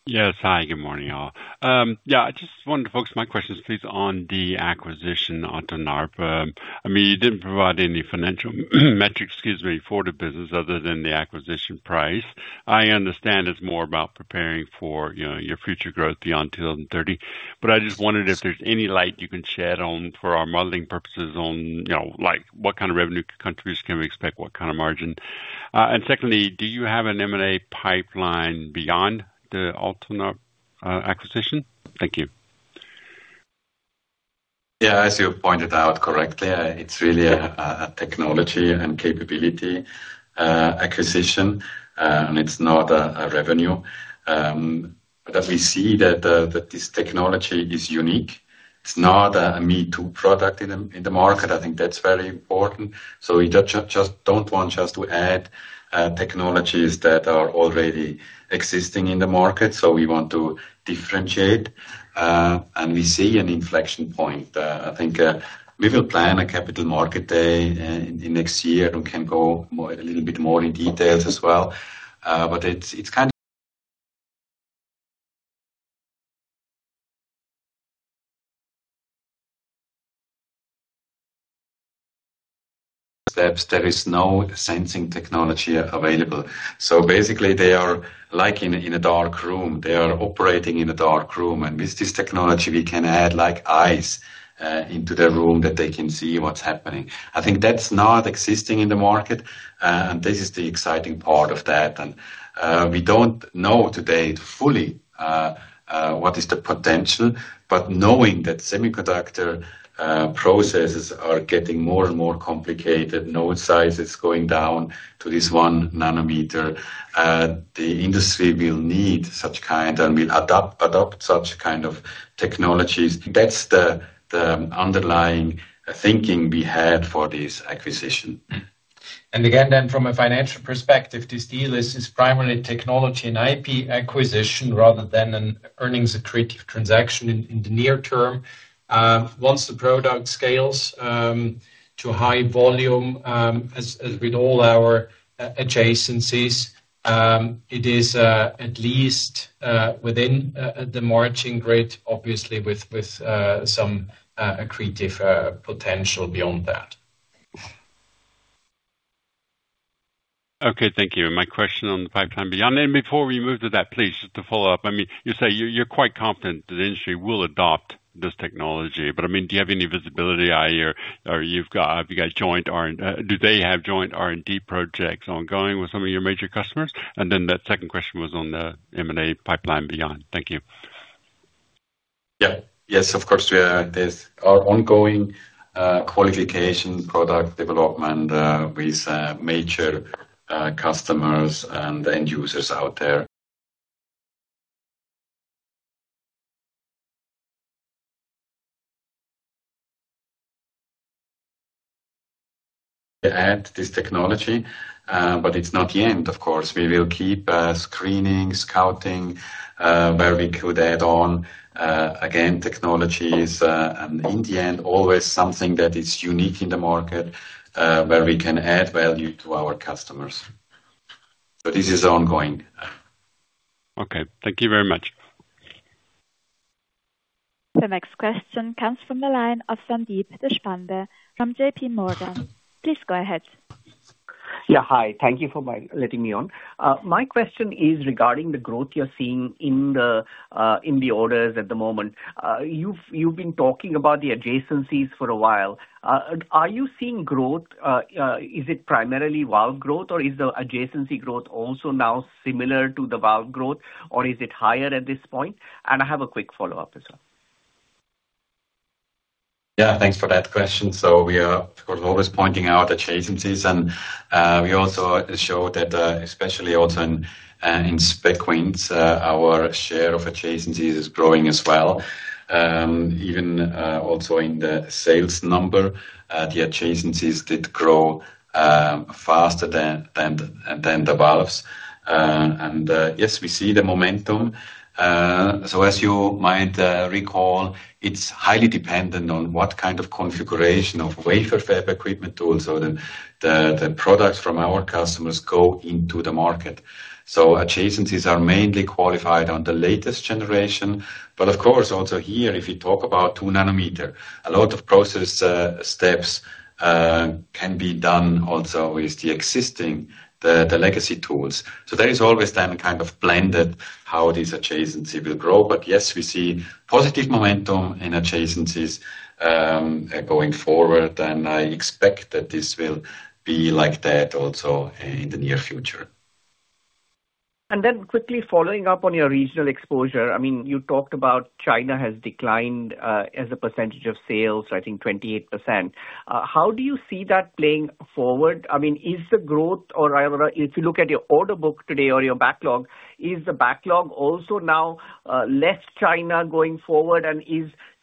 Yes. Hi, good morning, all. I just wanted to focus my questions, please, on the acquisition, Atonarp. You didn't provide any financial metric, excuse me, for the business other than the acquisition price. I understand it's more about preparing for your future growth beyond 2030. I just wondered if there's any light you can shed on for our modeling purposes on like what kind of revenue contribution can we expect, what kind of margin? Secondly, do you have an M&A pipeline beyond the Atonarp acquisition? Thank you. As you pointed out correctly, it's really a technology and capability acquisition, and it's not a revenue. That we see that this technology is unique. It's not a me-too product in the market. I think that's very important. We just don't want just to add technologies that are already existing in the market. We want to differentiate, and we see an inflection point. I think we will plan a capital market day in next year and can go a little bit more in details as well. It's kind of steps. There is no sensing technology available. Basically they are like in a dark room. They are operating in a dark room. With this technology, we can add like eyes into the room that they can see what's happening. I think that's not existing in the market, and this is the exciting part of that. We don't know to date fully what is the potential, but knowing that semiconductor processes are getting more and more complicated, node size is going down to this one nanometer, the industry will need such kind and will adopt such kind of technologies. That's the underlying thinking we had for this acquisition. From a financial perspective, this deal is primarily technology and IP acquisition rather than an earnings accretive transaction in the near term. Once the product scales to high volume, as with all our adjacencies, it is at least within the margin grid, obviously with some accretive potential beyond that. Okay, thank you. My question on the pipeline beyond then, before we move to that, please, just to follow up. You say you're quite confident that the industry will adopt this technology, do you have any visibility or do they have joint R&D projects ongoing with some of your major customers? Then that second question was on the M&A pipeline beyond. Thank you. Yes, of course. There's our ongoing qualification, product development, with major customers and end users out there. Add this technology, it's not the end, of course. We will keep screening, scouting, where we could add on. Technology is, in the end, always something that is unique in the market, where we can add value to our customers. This is ongoing. Okay. Thank you very much. The next question comes from the line of Sandeep Deshpande from JPMorgan. Please go ahead. Yeah, hi. Thank you for letting me on. My question is regarding the growth you're seeing in the orders at the moment. You've been talking about the adjacencies for a while. Are you seeing growth? Is it primarily valve growth, or is the adjacency growth also now similar to the valve growth, or is it higher at this point? I have a quick follow-up as well. Yeah, thanks for that question. We are, of course, always pointing out adjacencies, and we also show that especially also in spec wins, our share of adjacencies is growing as well. Even also in the sales number, the adjacencies did grow faster than the valves. Yes, we see the momentum. As you might recall, it's highly dependent on what kind of configuration of wafer fab equipment tools or the products from our customers go into the market. Adjacencies are mainly qualified on the latest generation. Of course, also here, if you talk about two nanometer, a lot of process steps can be done also with the existing, the legacy tools. There is always then a kind of blended how this adjacency will grow. Yes, we see positive momentum in adjacencies going forward, and I expect that this will be like that also in the near future. Quickly following up on your regional exposure. You talked about China has declined as a percentage of sales, I think, 28%. How do you see that playing forward? If you look at your order book today or your backlog, is the backlog also now left China going forward,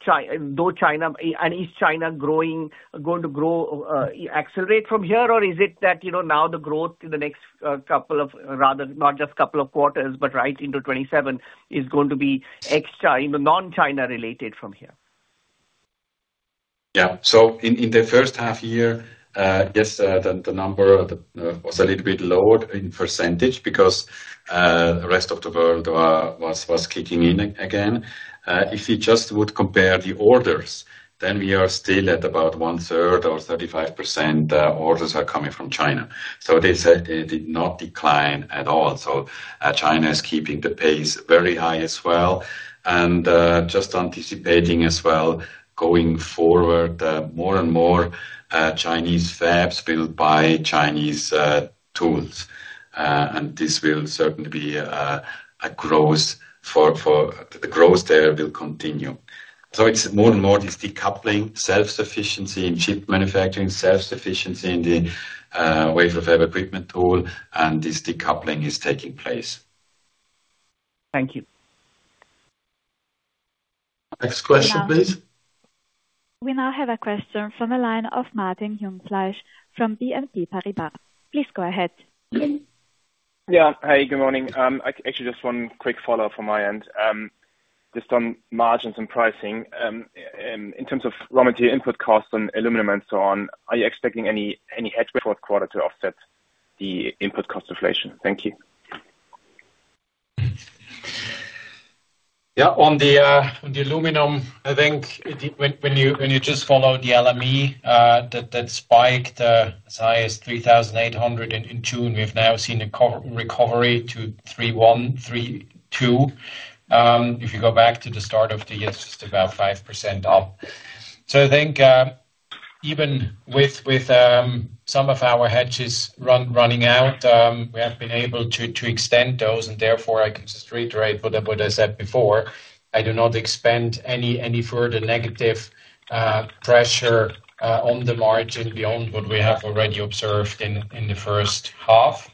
and is China going to accelerate from here? Or is it that now the growth in the next couple of, rather not just couple of quarters, but right into 2027, is going to be extra in the non-China related from here? In the first half year, yes, the number was a little bit lower in percentage because the rest of the world was kicking in again. If you just would compare the orders, then we are still at about one third or 35% orders are coming from China. It did not decline at all. China is keeping the pace very high as well. Just anticipating as well, going forward, more and more Chinese fabs built by Chinese tools. This will certainly be a growth, for the growth there will continue. It's more and more this decoupling, self-sufficiency in chip manufacturing, self-sufficiency in the wafer fab equipment tool, and this decoupling is taking place. Thank you. Next question, please. We now have a question from the line of Martin Jungfleisch from BNP Paribas. Please go ahead. Yeah. Hey, good morning. Actually, just one quick follow-up from my end. Just on margins and pricing, in terms of raw material input costs on aluminum and so on, are you expecting any hedging quarter to offset the input cost inflation? Thank you. Yeah. On the aluminum, I think when you just follow the LME that spiked as high as 3,800 in June. We've now seen a recovery to three one, three two. If you go back to the start of the year, it's just about 5% up. I think even with some of our hedges running out, we have been able to extend those, and therefore, I can just reiterate what I said before, I do not expect any further negative pressure on the margin beyond what we have already observed in the first half.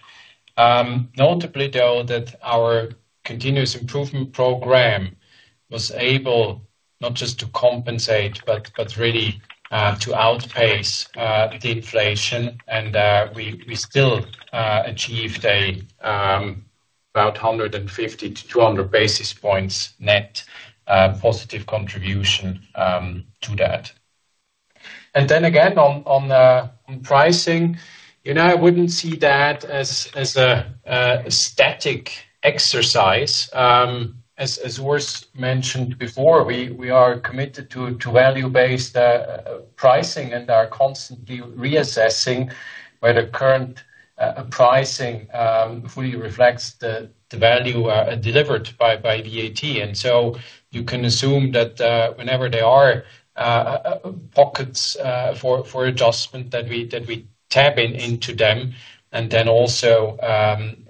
Notably, though, that our Continuous Improvement Program was able not just to compensate but really to outpace the inflation, and we still achieved about 150 to 200 basis points net positive contribution to that. Then again on pricing, I wouldn't see that as a static exercise. As Urs mentioned before, we are committed to value-based pricing and are constantly reassessing whether current pricing fully reflects the value delivered by VAT. You can assume that whenever there are pockets for adjustment that we tap into them, also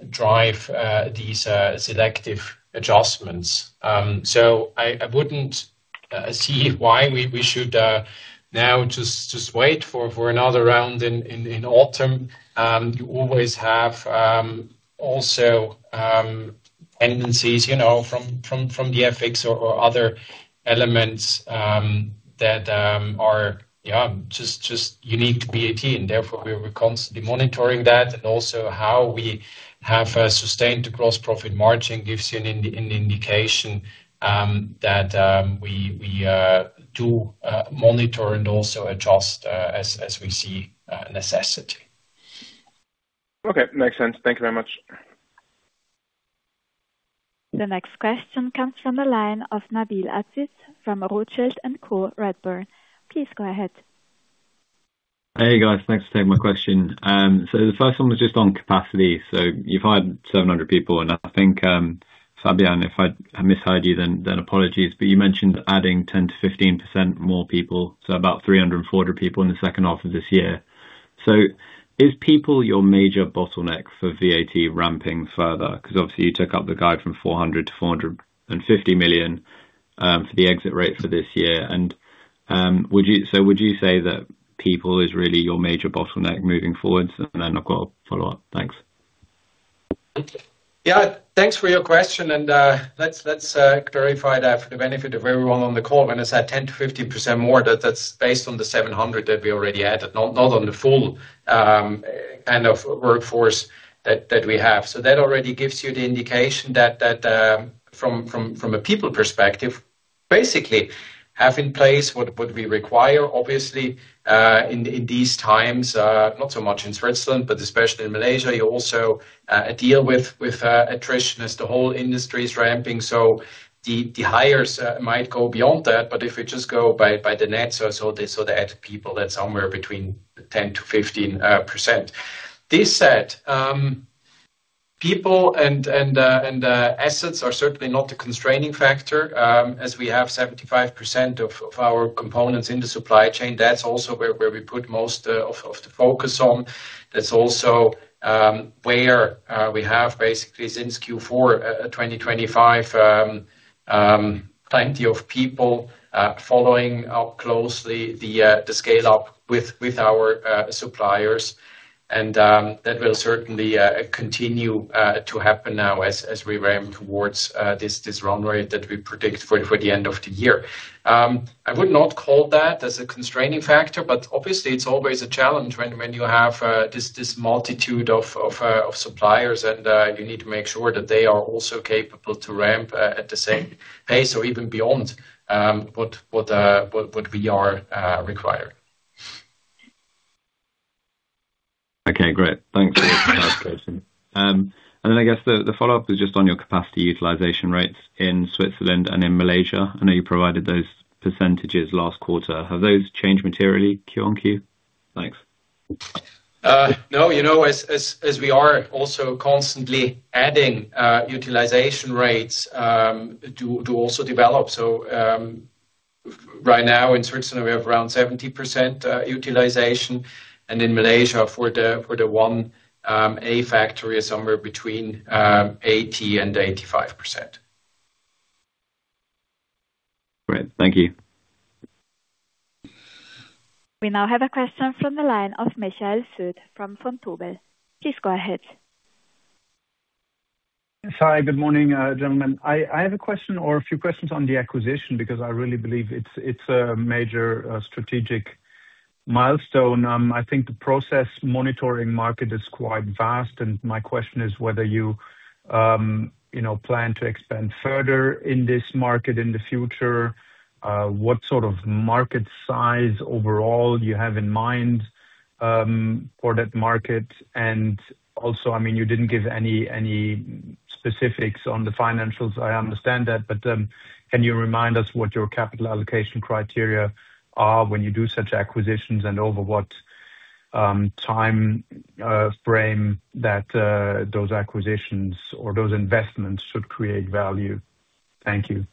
drive these selective adjustments. I wouldn't see why we should now just wait for another round in autumn. You always have also tendencies from the FX or other elements that are just unique to VAT, we are constantly monitoring that and also how we have sustained the gross profit margin gives you an indication that we do monitor and also adjust as we see necessity. Okay. Makes sense. Thank you very much. The next question comes from the line of Nabeel Aziz from Rothschild & Co Redburn. Please go ahead. Hey, guys. Thanks for taking my question. The first one was just on capacity. You've hired 700 people, and I think, Fabian, if I misheard you, then apologies, but you mentioned adding 10%-15% more people, about 300, 400 people in the second half of this year. Is people your major bottleneck for VAT ramping further? Because obviously you took up the guide from 400 million-450 million, for the exit rates for this year. Would you say that people is really your major bottleneck moving forward? I've got a follow-up. Thanks. Yeah, thanks for your question. Let's clarify that for the benefit of everyone on the call. When I said 10%-15% more, that's based on the 700 that we already added, not on the full kind of workforce that we have. That already gives you the indication that, from a people perspective, basically have in place what we require, obviously, in these times, not so much in Switzerland, but especially in Malaysia, you also deal with attrition as the whole industry is ramping. The hires might go beyond that. If we just go by the net, the head of people, that's somewhere between 10%-15%. This said, people and assets are certainly not a constraining factor, as we have 75% of our components in the supply chain. That's also where we put most of the focus on. That's also, where we have basically since Q4 2025, plenty of people following up closely the scale-up with our suppliers. That will certainly continue to happen now as we ramp towards this runway that we predict for the end of the year. I would not call that as a constraining factor, but obviously it's always a challenge when you have this multitude of suppliers and you need to make sure that they are also capable to ramp at the same pace or even beyond what we are requiring. Okay, great. Thanks for the clarification. Then I guess the follow-up is just on your capacity utilization rates in Switzerland and in Malaysia. I know you provided those percentages last quarter. Have those changed materially Q-on-Q? Thanks. No. As we are also constantly adding utilization rates to also develop. Right now in Switzerland we have around 70% utilization and in Malaysia for the one A factory is somewhere between 80% and 85%. Great. Thank you. We now have a question from the line of Michael Foeth from Vontobel. Please go ahead. Sorry. Good morning, gentlemen. I have a question or a few questions on the acquisition because I really believe it's a major strategic milestone. I think the process monitoring market is quite vast, and my question is whether you plan to expand further in this market in the future? What sort of market size overall you have in mind, for that market? Also, you didn't give any specifics on the financials. I understand that, but, can you remind us what your capital allocation criteria are when you do such acquisitions and over what time frame that those acquisitions or those investments should create value? Thank you.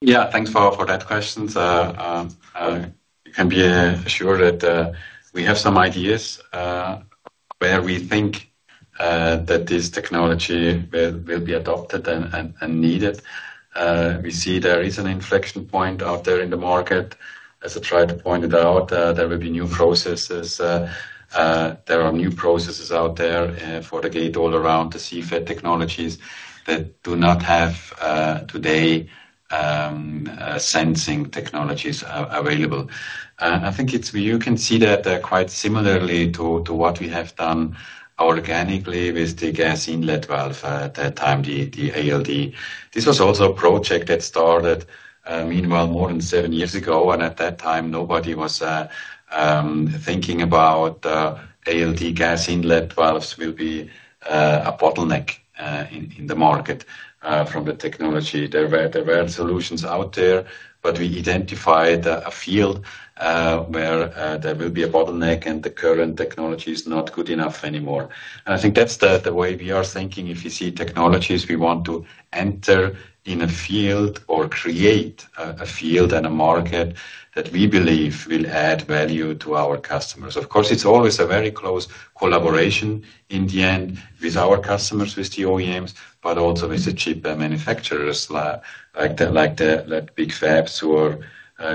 Yeah, thanks for that question. You can be assured that we have some ideas, where we think that this technology will be adopted and needed. We see there is an inflection point out there in the market. As I tried to point it out, there will be new processes. There are new processes out there for the gate-all-around the CFET technologies that do not have, today, sensing technologies available. I think you can see that they're quite similarly to what we have done organically with the gas inlet valve, at that time, the ALD. This was also a project that started, meanwhile, more than seven years ago. At that time, nobody was thinking about ALD gas inlet valves will be a bottleneck in the market from the technology. There were solutions out there, but we identified a field where there will be a bottleneck and the current technology is not good enough anymore. I think that's the way we are thinking. If you see technologies we want to enter in a field or create a field and a market that we believe will add value to our customers. Of course, it's always a very close collaboration in the end with our customers, with the OEMs, but also with the chip manufacturers like big fabs who are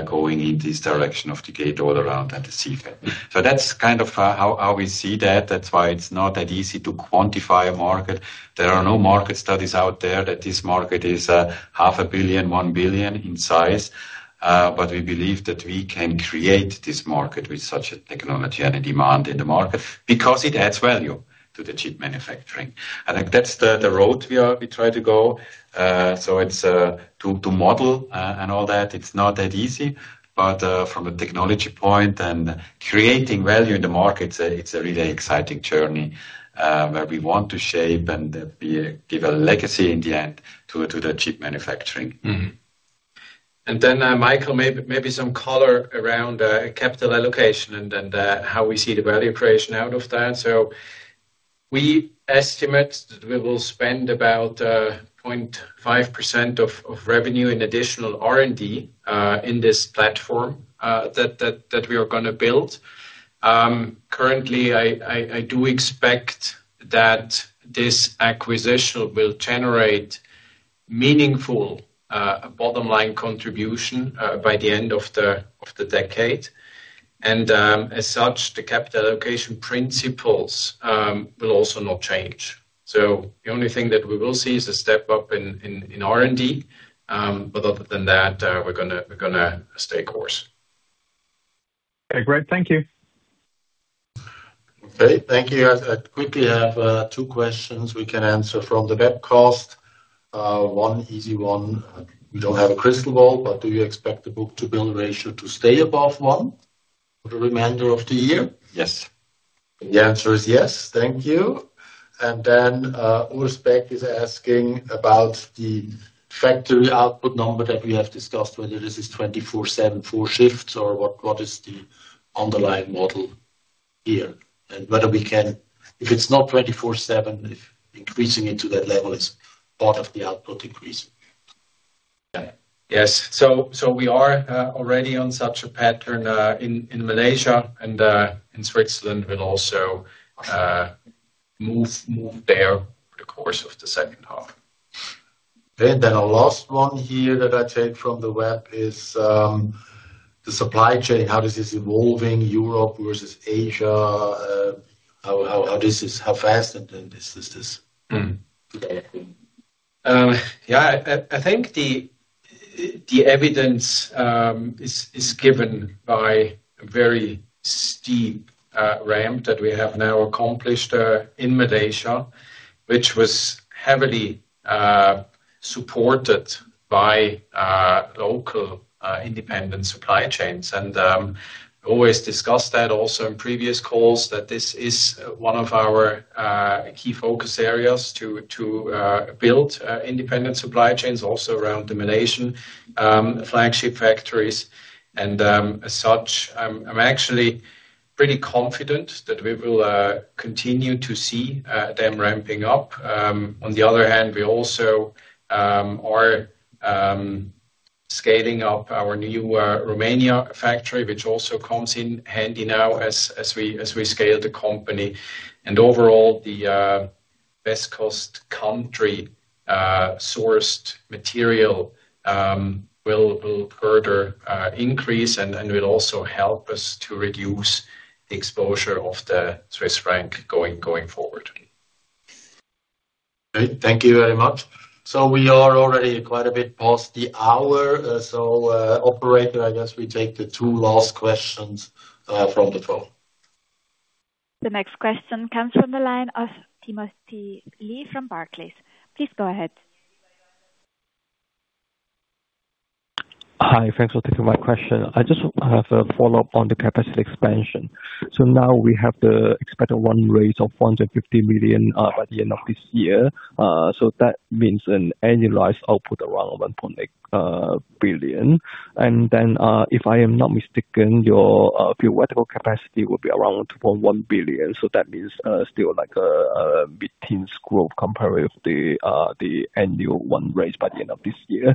going in this direction of the gate-all-around at the CFET. That's kind of how we see that. That's why it's not that easy to quantify a market. There are no market studies out there that this market is 0.5 billion, 1 billion in size. We believe that we can create this market with such a technology and a demand in the market because it adds value to the chip manufacturing. That's the road we try to go. To model and all that, it's not that easy. From a technology point and creating value in the market, it's a really exciting journey, where we want to shape and give a legacy in the end to the chip manufacturing. Michael, maybe some color around capital allocation and then how we see the value creation out of that. We estimate that we will spend about 0.5% of revenue in additional R&D in this platform that we are going to build. Currently, I do expect that this acquisition will generate meaningful bottom-line contribution by the end of the decade. As such, the capital allocation principles will also not change. The only thing that we will see is a step-up in R&D. Other than that, we're going to stay course. Great. Thank you. Thank you. I quickly have two questions we can answer from the webcast. One easy one. We don't have a crystal ball, but do you expect the book-to-bill ratio to stay above one for the remainder of the year? Yes. The answer is yes. Thank you. Urs Beck is asking about the factory output number that we have discussed, whether this is 24/7 four shifts, or what is the underlying model here? Whether we can, if it's not 24/7, if increasing it to that level is part of the output increase. Yes. We are already on such a pattern in Malaysia and in Switzerland. We'll also move there over the course of the second half. Our last one here that I take from the web is the supply chain. How this is evolving Europe versus Asia. How fast this is? I think the evidence is given by a very steep ramp that we have now accomplished in Malaysia, which was heavily supported by local independent supply chains. We always discussed that also in previous calls that this is one of our key focus areas to build independent supply chains also around the Malaysian flagship factories. As such, I'm actually pretty confident that we will continue to see them ramping up. On the other hand, we also are scaling up our new Romania factory, which also comes in handy now as we scale the company. Overall, the best cost country sourced material will further increase and will also help us to reduce the exposure of the Swiss franc going forward. Great. Thank you very much. We are already quite a bit past the hour, operator, I guess we take the two last questions from the phone. The next question comes from the line of Timothy Lee from Barclays. Please go ahead. Hi. Thanks for taking my question. I just have a follow-up on the capacity expansion. Now we have the expected run rate of 450 million by the end of this year. That means an annualized output around 1.8 billion. If I am not mistaken, your theoretical capacity will be around 2.1 billion. That is still like a mid-teens growth compared with the annual run rate by the end of this year.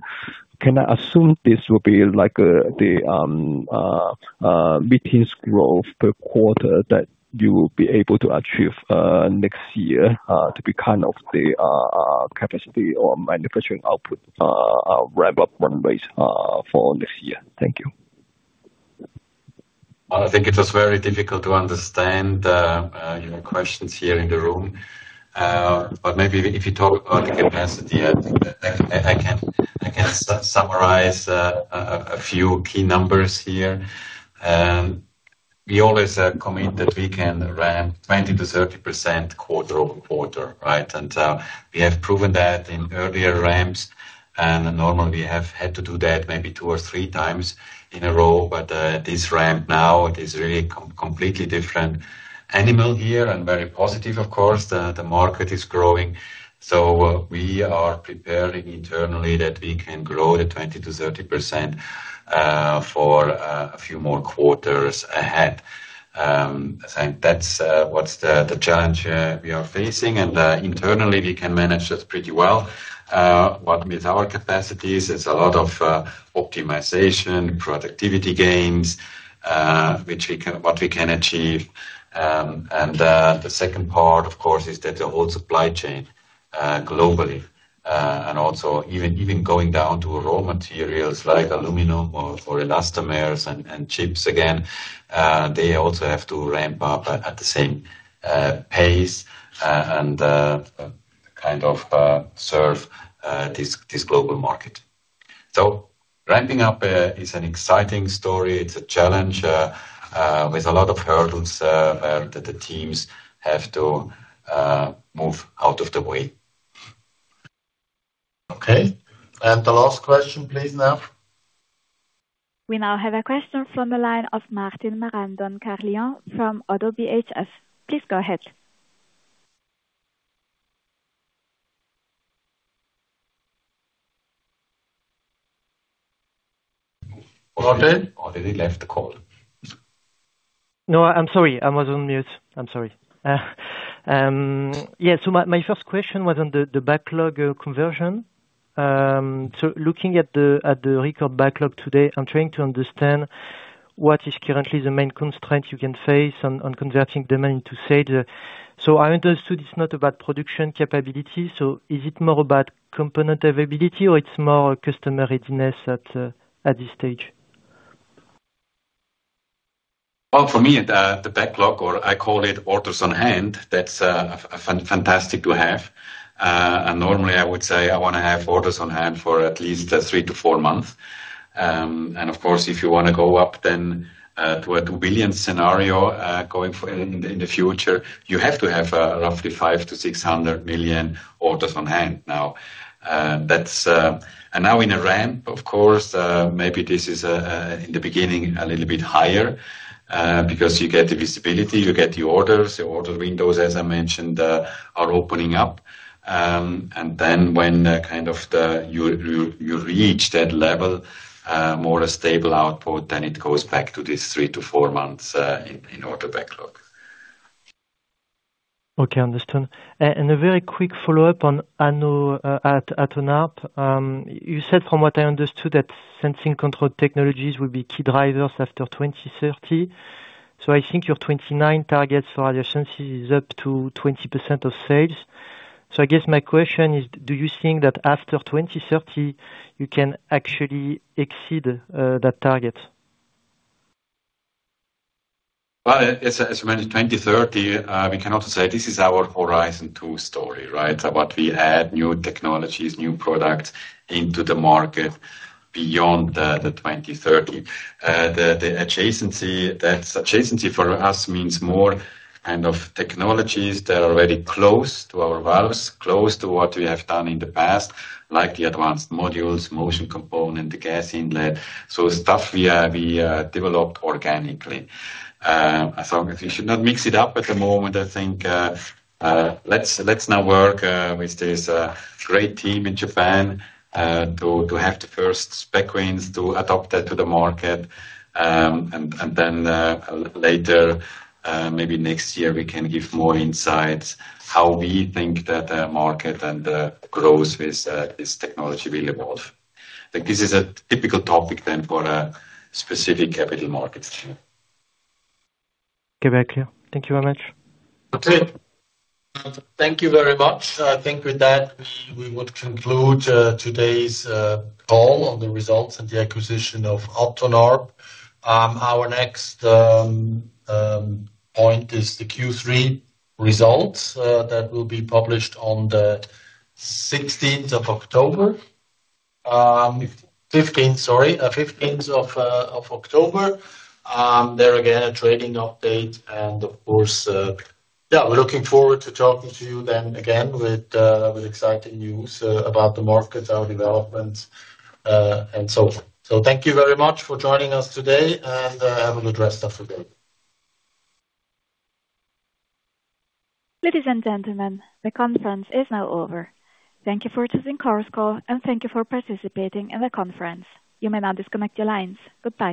Can I assume this will be like the mid-teens growth per quarter that you will be able to achieve next year, to be kind of the capacity or manufacturing output ramp-up run rate for next year? Thank you. I think it was very difficult to understand your questions here in the room. Maybe if you talk about the capacity, I think that I can summarize a few key numbers here. We always commit that we can ramp 20%-30% quarter-over-quarter, right? We have proven that in earlier ramps, and normally we have had to do that maybe two or three times in a row. This ramp now is a really completely different animal here and very positive, of course. The market is growing. We are preparing internally that we can grow the 20%-30% for a few more quarters ahead. I think that's what's the challenge we are facing. Internally, we can manage that pretty well. What with our capacities, it's a lot of optimization, productivity gains, what we can achieve. The second part, of course, is that the whole supply chain globally, and also even going down to raw materials like aluminum or elastomers and chips again, they also have to ramp up at the same pace and kind of serve this global market. Ramping up is an exciting story. It is a challenge with a lot of hurdles that the teams have to move out of the way. Okay. The last question please now. We now have a question from the line of Martin Marandon-Carlhian from Oddo BHF. Please go ahead. Did he left the call? No, I'm sorry. I was on mute. I'm sorry. Yeah. My first question was on the backlog conversion. Looking at the record backlog today, I'm trying to understand what is currently the main constraint you can face on converting demand to sale. I understood it's not about production capability. Is it more about component availability or it's more customer readiness at this stage? Well, for me, the backlog, or I call it orders on hand, that's fantastic to have. Normally I would say I want to have orders on hand for at least three to four months. Of course, if you want to go up then to a 2 billion scenario, going for in the future, you have to have roughly 500 million-600 million orders on hand now. Now in a ramp, of course, maybe this is, in the beginning, a little bit higher, because you get the visibility, you get the orders, the order windows, as I mentioned, are opening up. When you reach that level, more a stable output, then it goes back to this three to four months in order backlog. Okay, understood. A very quick follow-up on Atonarp. You said, from what I understood, that sensing controlled technologies will be key drivers after 2030. I think your 2029 targets for adjacencies is up to 20% of sales. I guess my question is, do you think that after 2030 you can actually exceed that target? Well, as you mentioned, 2030, we can also say this is our horizon two story, right? What we add new technologies, new products into the market beyond the 2030. The adjacency for us means more technologies that are already close to our valves, close to what we have done in the past, like the advanced modules, motion component, the gas inlet. Stuff we developed organically. We should not mix it up at the moment, I think. Let's now work with this great team in Japan, to have the first spec wins, to adopt that to the market. Later, maybe next year, we can give more insights how we think that market and the growth with this technology will evolve. This is a typical topic then for a specific capital markets day. Okay. Very clear. Thank you very much. Okay. Thank you very much. I think with that, we would conclude today's call on the results and the acquisition of Atonarp. Our next point is the Q3 results, that will be published on the 15th of October. There again, a trading update and of course, yeah, we're looking forward to talking to you then again with exciting news about the markets, our developments, and so forth. Thank you very much for joining us today and have a good rest of the day. Ladies and gentlemen, the conference is now over. Thank you for attending today's call and thank you for participating in the conference. You may now disconnect your lines. Goodbye.